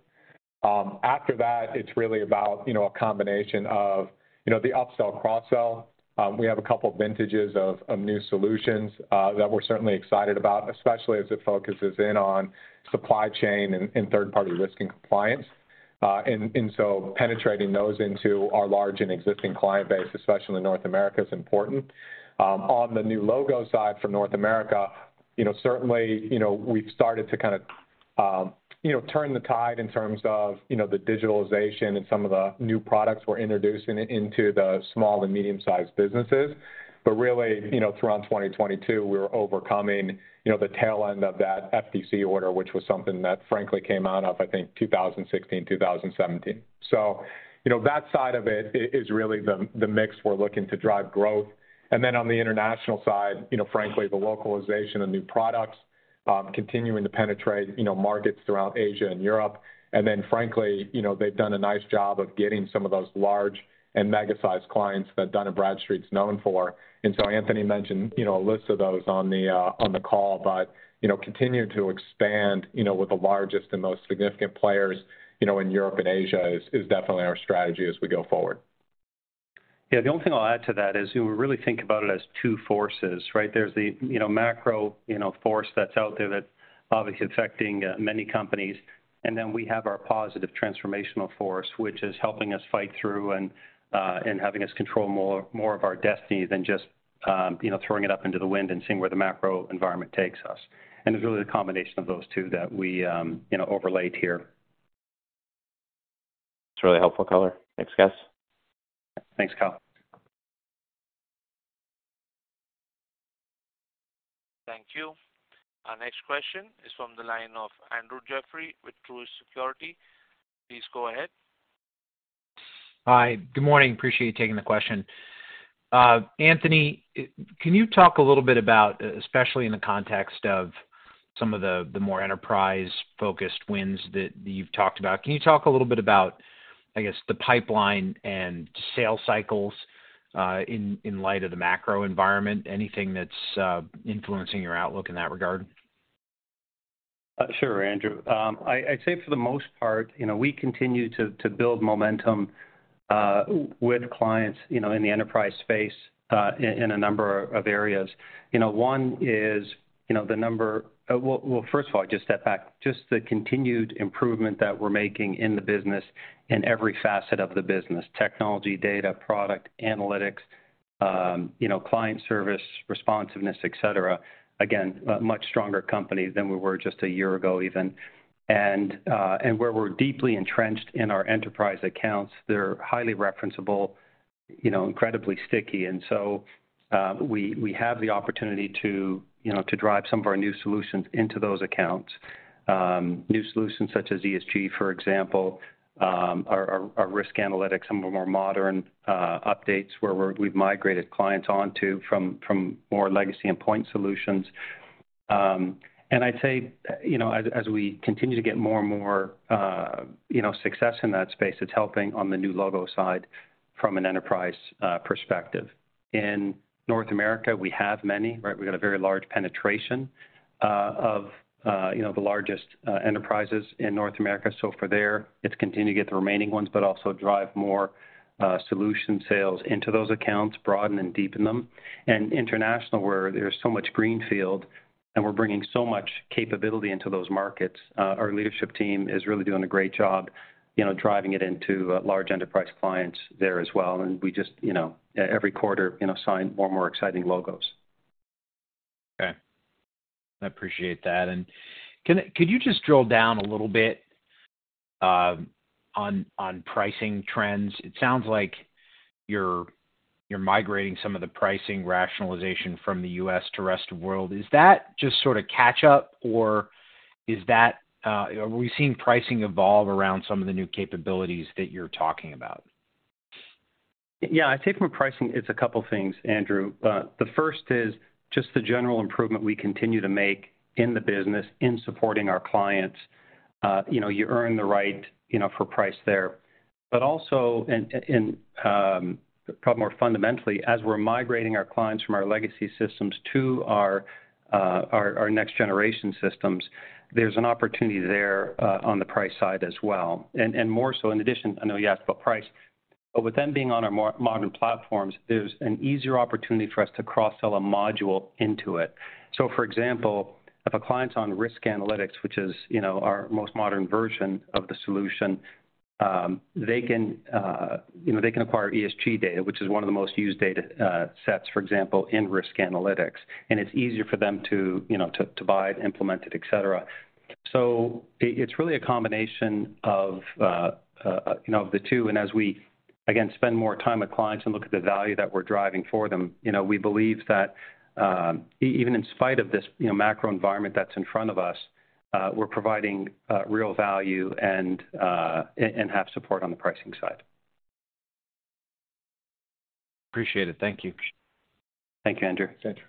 After that, it's really about, you know, a combination of, you know, the upsell, cross-sell. We have a couple vintages of new solutions that we're certainly excited about, especially as it focuses in on supply chain and third-party risk and compliance. Penetrating those into our large and existing client base, especially in North America, is important. On the new logo side for North America, you know, certainly, you know, we've started to kind of, you know, turn the tide in terms of, you know, the digitalization and some of the new products we're introducing into the small and medium-sized businesses. Really, you know, throughout 2022, we were overcoming, you know, the tail end of that FTC order, which was something that frankly came out of, I think, 2016, 2017. You know, that side of it is really the mix we're looking to drive growth. On the international side, you know, frankly, the localization of new products, continuing to penetrate, you know, markets throughout Asia and Europe. Frankly, you know, they've done a nice job of getting some of those large and mega-sized clients that Dun & Bradstreet's known for. Anthony mentioned, you know, a list of those on the call. You know, continuing to expand, you know, with the largest and most significant players, you know, in Europe and Asia is definitely our strategy as we go forward. Yeah. The only thing I'll add to that is we really think about it as two forces, right? There's the, you know, macro, you know, force that's out there that's obviously affecting many companies, and then we have our positive transformational force, which is helping us fight through and having us control more of our destiny than just, you know, throwing it up into the wind and seeing where the macro environment takes us. It's really the combination of those two that we, you know, overlaid here. That's really helpful color. Thanks, guys. Thanks, Kyle. Thank you. Our next question is from the line of Andrew Jeffrey with Truist Securities. Please go ahead. Hi. Good morning. Appreciate you taking the question. Anthony, can you talk a little bit about, especially in the context of some of the more enterprise-focused wins that you've talked about? Can you talk a little bit about, I guess, the pipeline and sales cycles, in light of the macro environment? Anything that's influencing your outlook in that regard? Sure, Andrew. I'd say for the most part, you know, we continue to build momentum with clients, you know, in the enterprise space, in a number of areas. Well, first of all, just step back, just the continued improvement that we're making in the business in every facet of the business, technology, data, product, analytics, you know, client service, responsiveness, et cetera. Again, a much stronger company than we were just a year ago even. Where we're deeply entrenched in our enterprise accounts, they're highly referenceable, you know, incredibly sticky. We have the opportunity to, you know, to drive some of our new solutions into those accounts. New solutions such as ESG, for example, our Risk Analytics, some of the more modern updates where we've migrated clients onto from more legacy and point solutions. I'd say, you know, as we continue to get more and more, you know, success in that space, it's helping on the new logo side from an enterprise perspective. In North America, we have many, right? We've got a very large penetration of, you know, the largest enterprises in North America. For there, it's continue to get the remaining ones, but also drive more solution sales into those accounts, broaden and deepen them. International, where there's so much greenfield, and we're bringing so much capability into those markets, our leadership team is really doing a great job, you know, driving it into large enterprise clients there as well. We just, you know, every quarter, you know, sign more and more exciting logos. Okay. I appreciate that. Could you just drill down a little bit on pricing trends? It sounds like you're migrating some of the pricing rationalization from the U.S. to rest of world. Is that just sort of catch up, or is that, are we seeing pricing evolve around some of the new capabilities that you're talking about? Yeah. I'd say from pricing, it's a couple things, Andrew. The first is just the general improvement we continue to make in the business in supporting our clients. You know, you earn the right, you know, for price there. Also in, probably more fundamentally, as we're migrating our clients from our legacy systems to our next generation systems, there's an opportunity there on the price side as well. More so in addition, I know you asked about price, but with them being on our more modern platforms, there's an easier opportunity for us to cross-sell a module into it. For example, if a client's on Risk Analytics, which is, you know, our most modern version of the solution. They can, you know, they can acquire ESG data, which is one of the most used data sets, for example, in risk analytics. It's easier for them to, you know, to buy it, implement it, et cetera. It's really a combination of, you know, the two. As we, again, spend more time with clients and look at the value that we're driving for them, you know, we believe that even in spite of this, you know, macro environment that's in front of us, we're providing real value and have support on the pricing side. Appreciate it. Thank you. Thank you, Andrew. Thanks,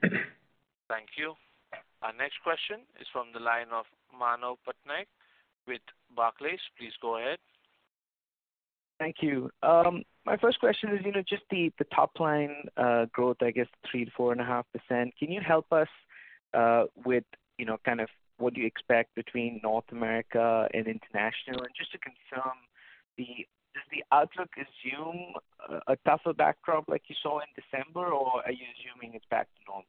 Andrew. Thank you. Our next question is from the line of Manav Patnaik with Barclays. Please go ahead. Thank you. My first question is, you know, just the top line, growth, I guess 3%-4.5%. Can you help us, with, you know, kind of what you expect between North America and international? Just to confirm, does the outlook assume a tougher backdrop like you saw in December, or are you assuming it's back to normal?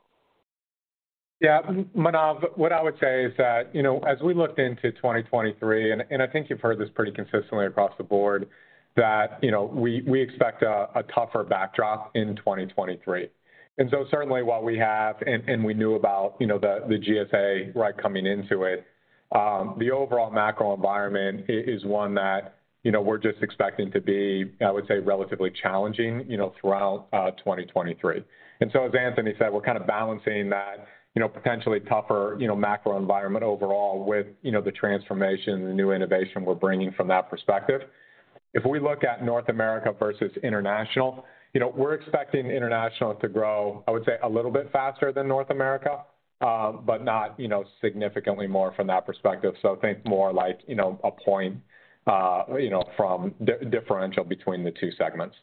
Yeah. Manav, what I would say is that, you know, as we looked into 2023, and I think you've heard this pretty consistently across the board, that, you know, we expect a tougher backdrop in 2023. Certainly what we have and we knew about, you know, the GSA, right, coming into it, the overall macro environment is one that, you know, we're just expecting to be, I would say, relatively challenging, you know, throughout 2023. As Anthony said, we're kind of balancing that, you know, potentially tougher, you know, macro environment overall with, you know, the transformation and the new innovation we're bringing from that perspective. If we look at North America versus international, you know, we're expecting international to grow, I would say, a little bit faster than North America, but not, you know, significantly more from that perspective. Think more like, you know, a point, you know, from differential between the two segments.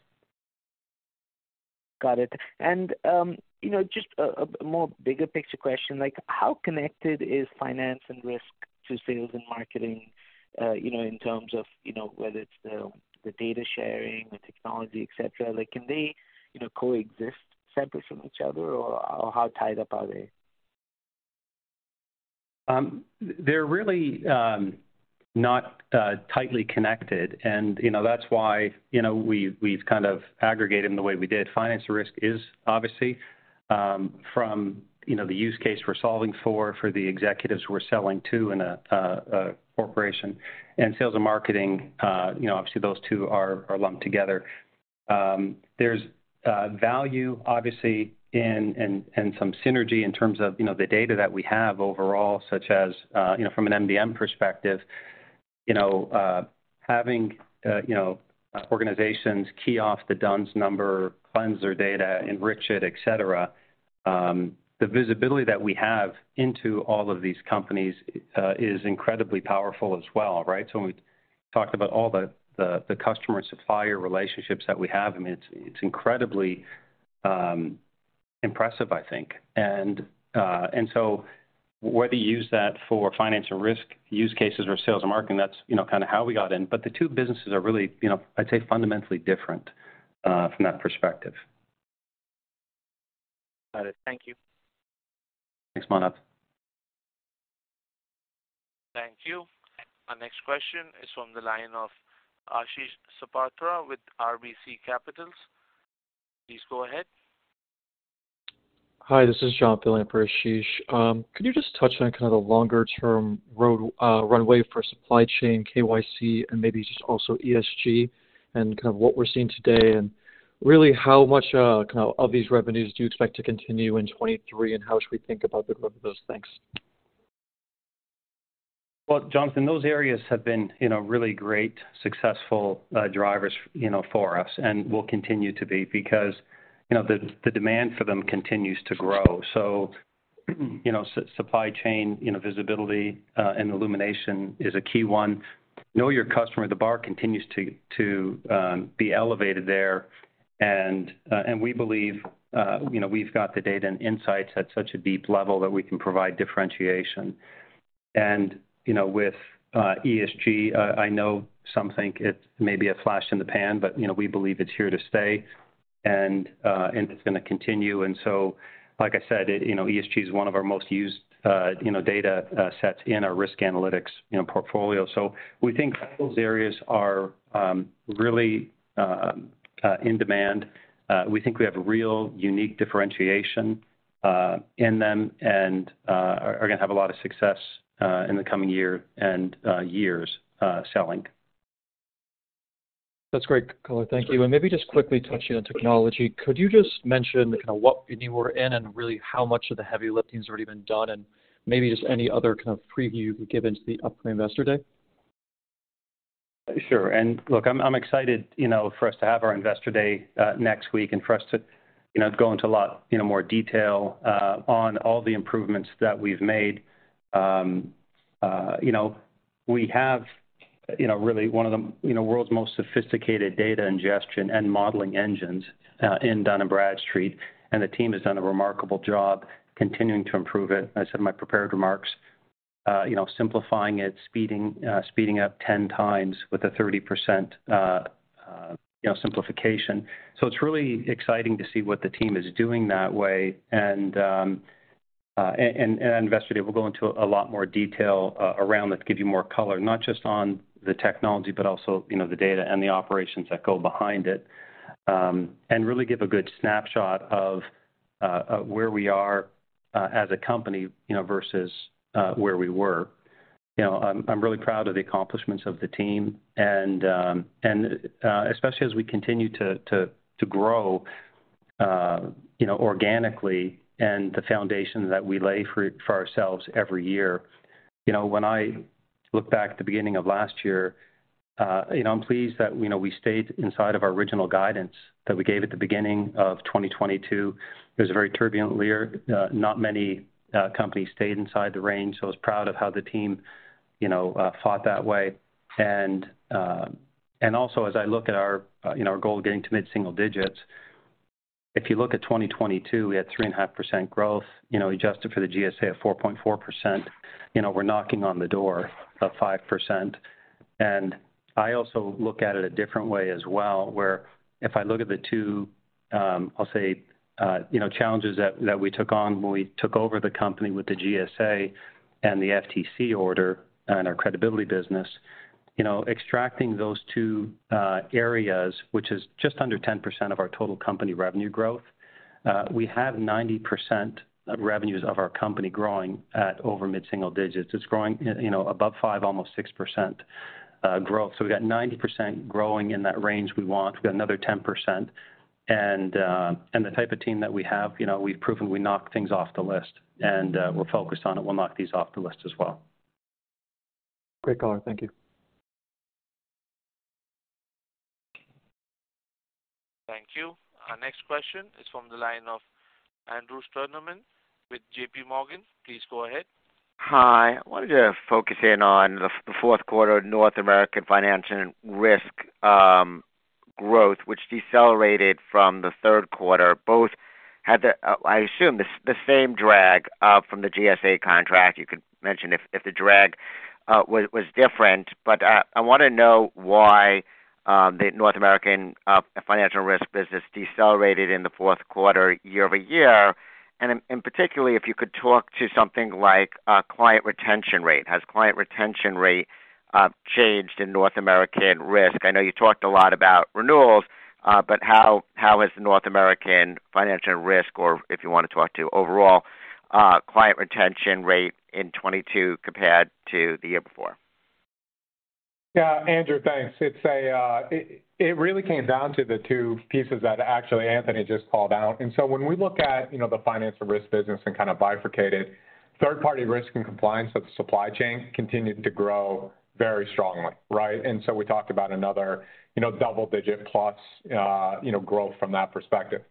Got it. You know, just a more bigger picture question, like how connected is finance and risk to sales and marketing, you know, in terms of, you know, whether it's the data sharing, the technology, et cetera? Like, can they, you know, coexist separate from each other or how tied up are they? They're really not tightly connected and, you know, that's why, you know, we've kind of aggregated them the way we did. Finance risk is obviously, from, you know, the use case we're solving for the executives we're selling to in a corporation. Sales and marketing, you know, obviously those two are lumped together. There's value obviously and some synergy in terms of, you know, the data that we have overall, such as, you know, from an MDM perspective. You know, having, you know, organizations key off the D-U-N-S Number, cleanse their data, enrich it, et cetera, the visibility that we have into all of these companies is incredibly powerful as well, right? When we talked about all the customer-supplier relationships that we have, I mean, it's incredibly impressive, I think. Whether you use that for financial risk use cases or sales and marketing, that's, you know, kind of how we got in. The two businesses are really, you know, I'd say fundamentally different from that perspective. Got it. Thank you. Thanks, Manav. Thank you. Our next question is from the line of Ashish Sabadra with RBC Capital Markets. Please go ahead. Hi, this is John filling in for Ashish. Could you just touch on kind of the longer term runway for supply chain, KYC, and maybe just also ESG and kind of what we're seeing today? Really how much, kind of these revenues do you expect to continue in 2023, and how should we think about the growth of those things? Well, Jonathan, those areas have been, you know, really great, successful drivers, you know, for us and will continue to be because, you know, the demand for them continues to grow. You know, supply chain, you know, visibility and illumination is a key one. Know your customer, the bar continues to be elevated there and we believe, you know, we've got the data and insights at such a deep level that we can provide differentiation. You know, with ESG, I know some think it may be a flash in the pan, you know, we believe it's here to stay and it's gonna continue. Like I said, it, you know, ESG is one of our most used, you know, data sets in our risk analytics, you know, portfolio. We think those areas are really in demand. We think we have real unique differentiation in them and are gonna have a lot of success in the coming year and years selling. That's great color. Thank you. Maybe just quickly touching on technology. Could you just mention kind of what you were in and really how much of the heavy lifting has already been done, and maybe just any other kind of preview you can give into the upcoming Investor Day? Sure. Look, I'm excited, you know, for us to have our Investor Day next week and for us to, you know, go into a lot, you know, more detail on all the improvements that we've made. You know, we have, you know, really one of the, you know, world's most sophisticated data ingestion and modeling engines in Dun & Bradstreet, and the team has done a remarkable job continuing to improve it. I said in my prepared remarks, you know, simplifying it, speeding up 10x with a 30%. You know, simplification. It's really exciting to see what the team is doing that way and Investor Day, we'll go into a lot more detail around that to give you more color, not just on the technology, but also, you know, the data and the operations that go behind it. Really give a good snapshot of where we are as a company, you know, versus where we were. You know, I'm really proud of the accomplishments of the team and especially as we continue to grow, you know, organically and the foundation that we lay for ourselves every year. You know, when I look back at the beginning of last year, you know, I'm pleased that, you know, we stayed inside of our original guidance that we gave at the beginning of 2022. It was a very turbulent year. Not many companies stayed inside the range, so I was proud of how the team, you know, fought that way. Also as I look at our, you know, our goal of getting to mid-single digits, if you look at 2022, we had 3.5% growth. You know, adjusted for the GSA of 4.4%, you know, we're knocking on the door of 5%. I also look at it a different way as well, where if I look at the two, I'll say, you know, challenges that we took on when we took over the company with the GSA and the FTC order and our credibility business. You know, extracting those two areas, which is just under 10% of our total company revenue growth, we have 90% of revenues of our company growing at over mid-single digits. It's growing, you know, above 5%, almost 6% growth. We got 90% growing in that range we want. We've got another 10%. The type of team that we have, you know, we've proven we knock things off the list, and we're focused on it. We'll knock these off the list as well. Great call. Thank you. Thank you. Our next question is from the line of Andrew Steinerman with JPMorgan. Please go ahead. Hi. I wanted to focus in on the Q4 North American financial risk growth, which decelerated from the Q3. Both had the I assume the same drag from the GSA contract. You could mention if the drag was different. I wanna know why the North American financial risk business decelerated in the Q4 year-over-year. In particularly, if you could talk to something like client retention rate. Has client retention rate changed in North American risk? I know you talked a lot about renewals, but how is the North American financial risk or if you wanna talk to overall client retention rate in 2022 compared to the year before? Yeah. Andrew, thanks. It's a really came down to the two pieces that actually Anthony just called out. When we look at, you know, the financial risk business and kind of bifurcated, third-party risk and compliance of the supply chain continued to grow very strongly, right? We talked about another, you know, double digit plus, you know, growth from that perspective.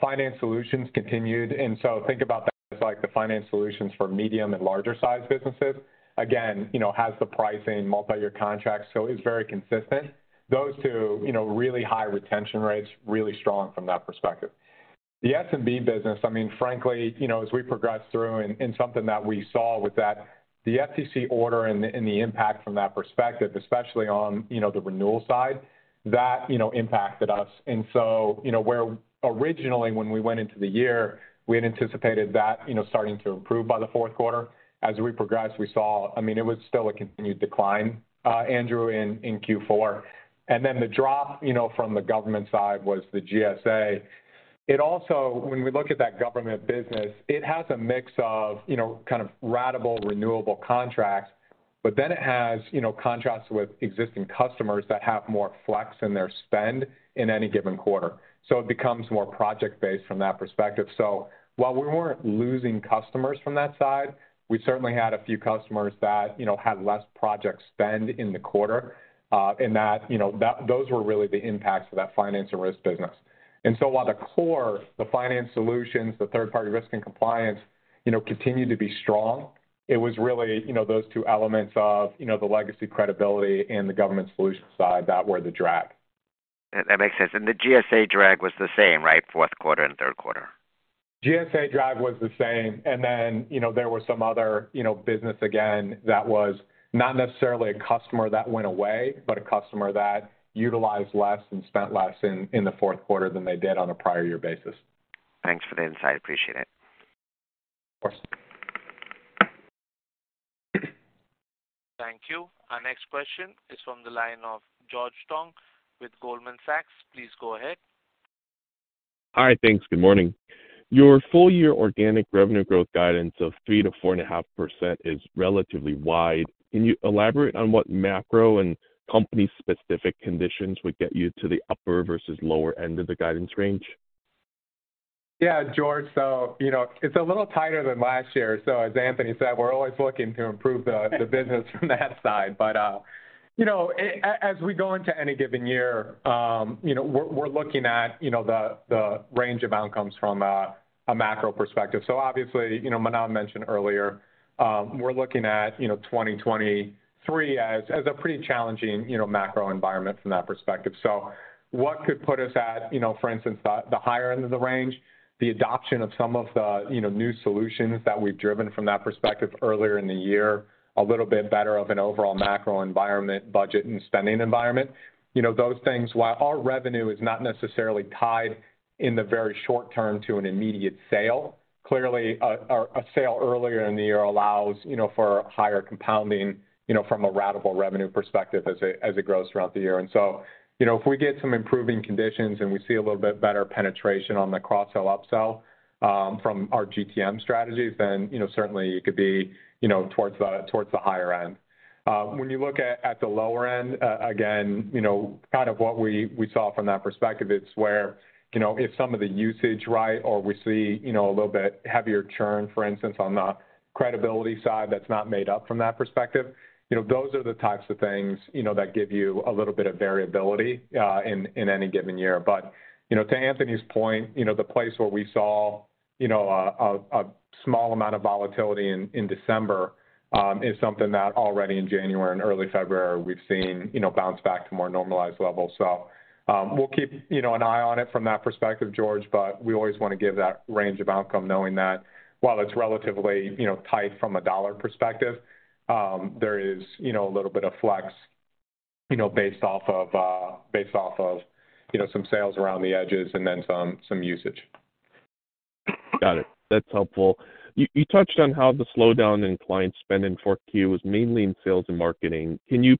Finance solutions continued, and so think about that as like the finance solutions for medium and larger sized businesses. Again, you know, has the pricing multiyear contracts, so it's very consistent. Those two, you know, really high retention rates, really strong from that perspective. The D&B business, I mean, frankly, you know, as we progress through and something that we saw with that, the FTC order and the impact from that perspective, especially on, you know, the renewal side, that, you know, impacted us. You know, where originally when we went into the year, we had anticipated that, you know, starting to improve by the Q4. As we progressed, we saw. I mean, it was still a continued decline, Andrew, in Q4. The drop, you know, from the government side was the GSA. It also, when we look at that government business, it has a mix of, you know, kind of ratable renewable contracts, but then it has, you know, contracts with existing customers that have more flex in their spend in any given quarter. It becomes more project-based from that perspective. While we weren't losing customers from that side, we certainly had a few customers that, you know, had less project spend in the quarter. Those were really the impacts of that finance and risk business. While the core, the Finance Solutions, the Third Party Risk and Compliance, you know, continued to be strong, it was really, you know, those two elements of, you know, the legacy credibility and the Government Solution side that were the drag. That makes sense. The GSA drag was the same, right, Q4 and Q3? GSA drag was the same. You know, there was some other, you know, business again that was not necessarily a customer that went away, but a customer that utilized less and spent less in the Q4 than they did on a prior year basis. Thanks for the insight. Appreciate it. Of course. Thank you. Our next question is from the line of George Tong with Goldman Sachs. Please go ahead. Hi. Thanks. Good morning. Your full year organic revenue growth guidance of 3% to 4.5% is relatively wide. Can you elaborate on what macro and company specific conditions would get you to the upper versus lower end of the guidance range? Yeah, George. you know, it's a little tighter than last year. as Anthony said, we're always looking to improve the business from that side. as we go into any given year, you know, we're looking at, you know, the range of outcomes from a macro perspective. obviously, you know, Manav mentioned earlier, we're looking at, you know, 2023 as a pretty challenging, you know, macro environment from that perspective. what could put us at, you know, for instance, the higher end of the range, the adoption of some of the, you know, new solutions that we've driven from that perspective earlier in the year, a little bit better of an overall macro environment, budget and spending environment. You know, those things, while our revenue is not necessarily tied in the very short term to an immediate sale. Clearly, a sale earlier in the year allows, you know, for higher compounding, you know, from a ratable revenue perspective as it grows throughout the year. If we get some improving conditions and we see a little bit better penetration on the cross sell, upsell, from our GTM strategy, then, you know, certainly it could be, you know, towards the higher end. When you look at the lower end, again, you know, kind of what we saw from that perspective, it's where, you know, if some of the usage, right, or we see, you know, a little bit heavier churn, for instance, on the credibility side, that's not made up from that perspective. You know, those are the types of things, you know, that give you a little bit of variability in any given year. To Anthony's point, you know, the place where we saw, you know, a small amount of volatility in December, is something that already in January and early February we've seen, you know, bounce back to more normalized levels. We'll keep, you know, an eye on it from that perspective, George, but we always wanna give that range of outcome knowing that while it's relatively, you know, tight from a dollar perspective, there is, you know, a little bit of flex, you know, based off of, you know, some sales around the edges and then some usage. Got it. That's helpful. You touched on how the slowdown in client spend in fourth Q was mainly in sales and marketing. Can you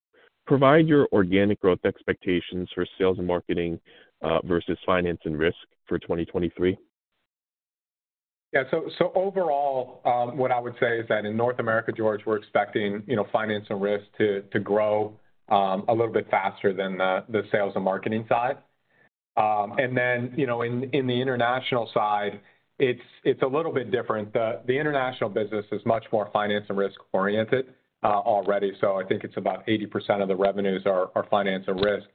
provide your organic growth expectations for sales and marketing versus finance and risk for 2023? Overall, what I would say is that in North America, George, we're expecting, you know, finance and risk to grow a little bit faster than the sales and marketing side. In the international side, it's a little bit different. The international business is much more finance and risk oriented already. I think it's about 80% of the revenues are finance and risk.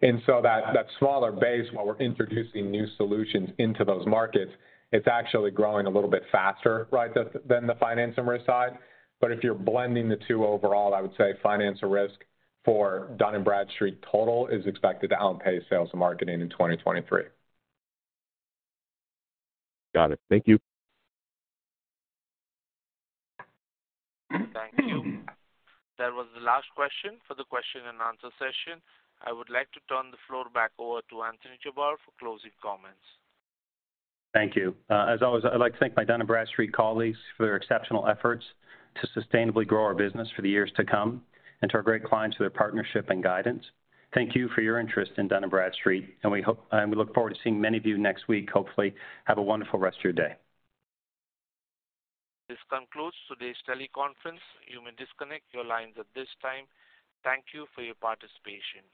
That smaller base, while we're introducing new solutions into those markets, it's actually growing a little bit faster, right, than the finance and risk side. If you're blending the two overall, I would say finance and risk for Dun & Bradstreet total is expected to outpace sales and marketing in 2023. Got it. Thank you. Thank you. That was the last question for the question and answer session. I would like to turn the floor back over to Anthony Jabbour for closing comments. Thank you. As always, I'd like to thank my Dun & Bradstreet colleagues for their exceptional efforts to sustainably grow our business for the years to come and to our great clients for their partnership and guidance. Thank you for your interest in Dun & Bradstreet. We look forward to seeing many of you next week, hopefully. Have a wonderful rest of your day. This concludes today's teleconference. You may disconnect your lines at this time. Thank you for your participation.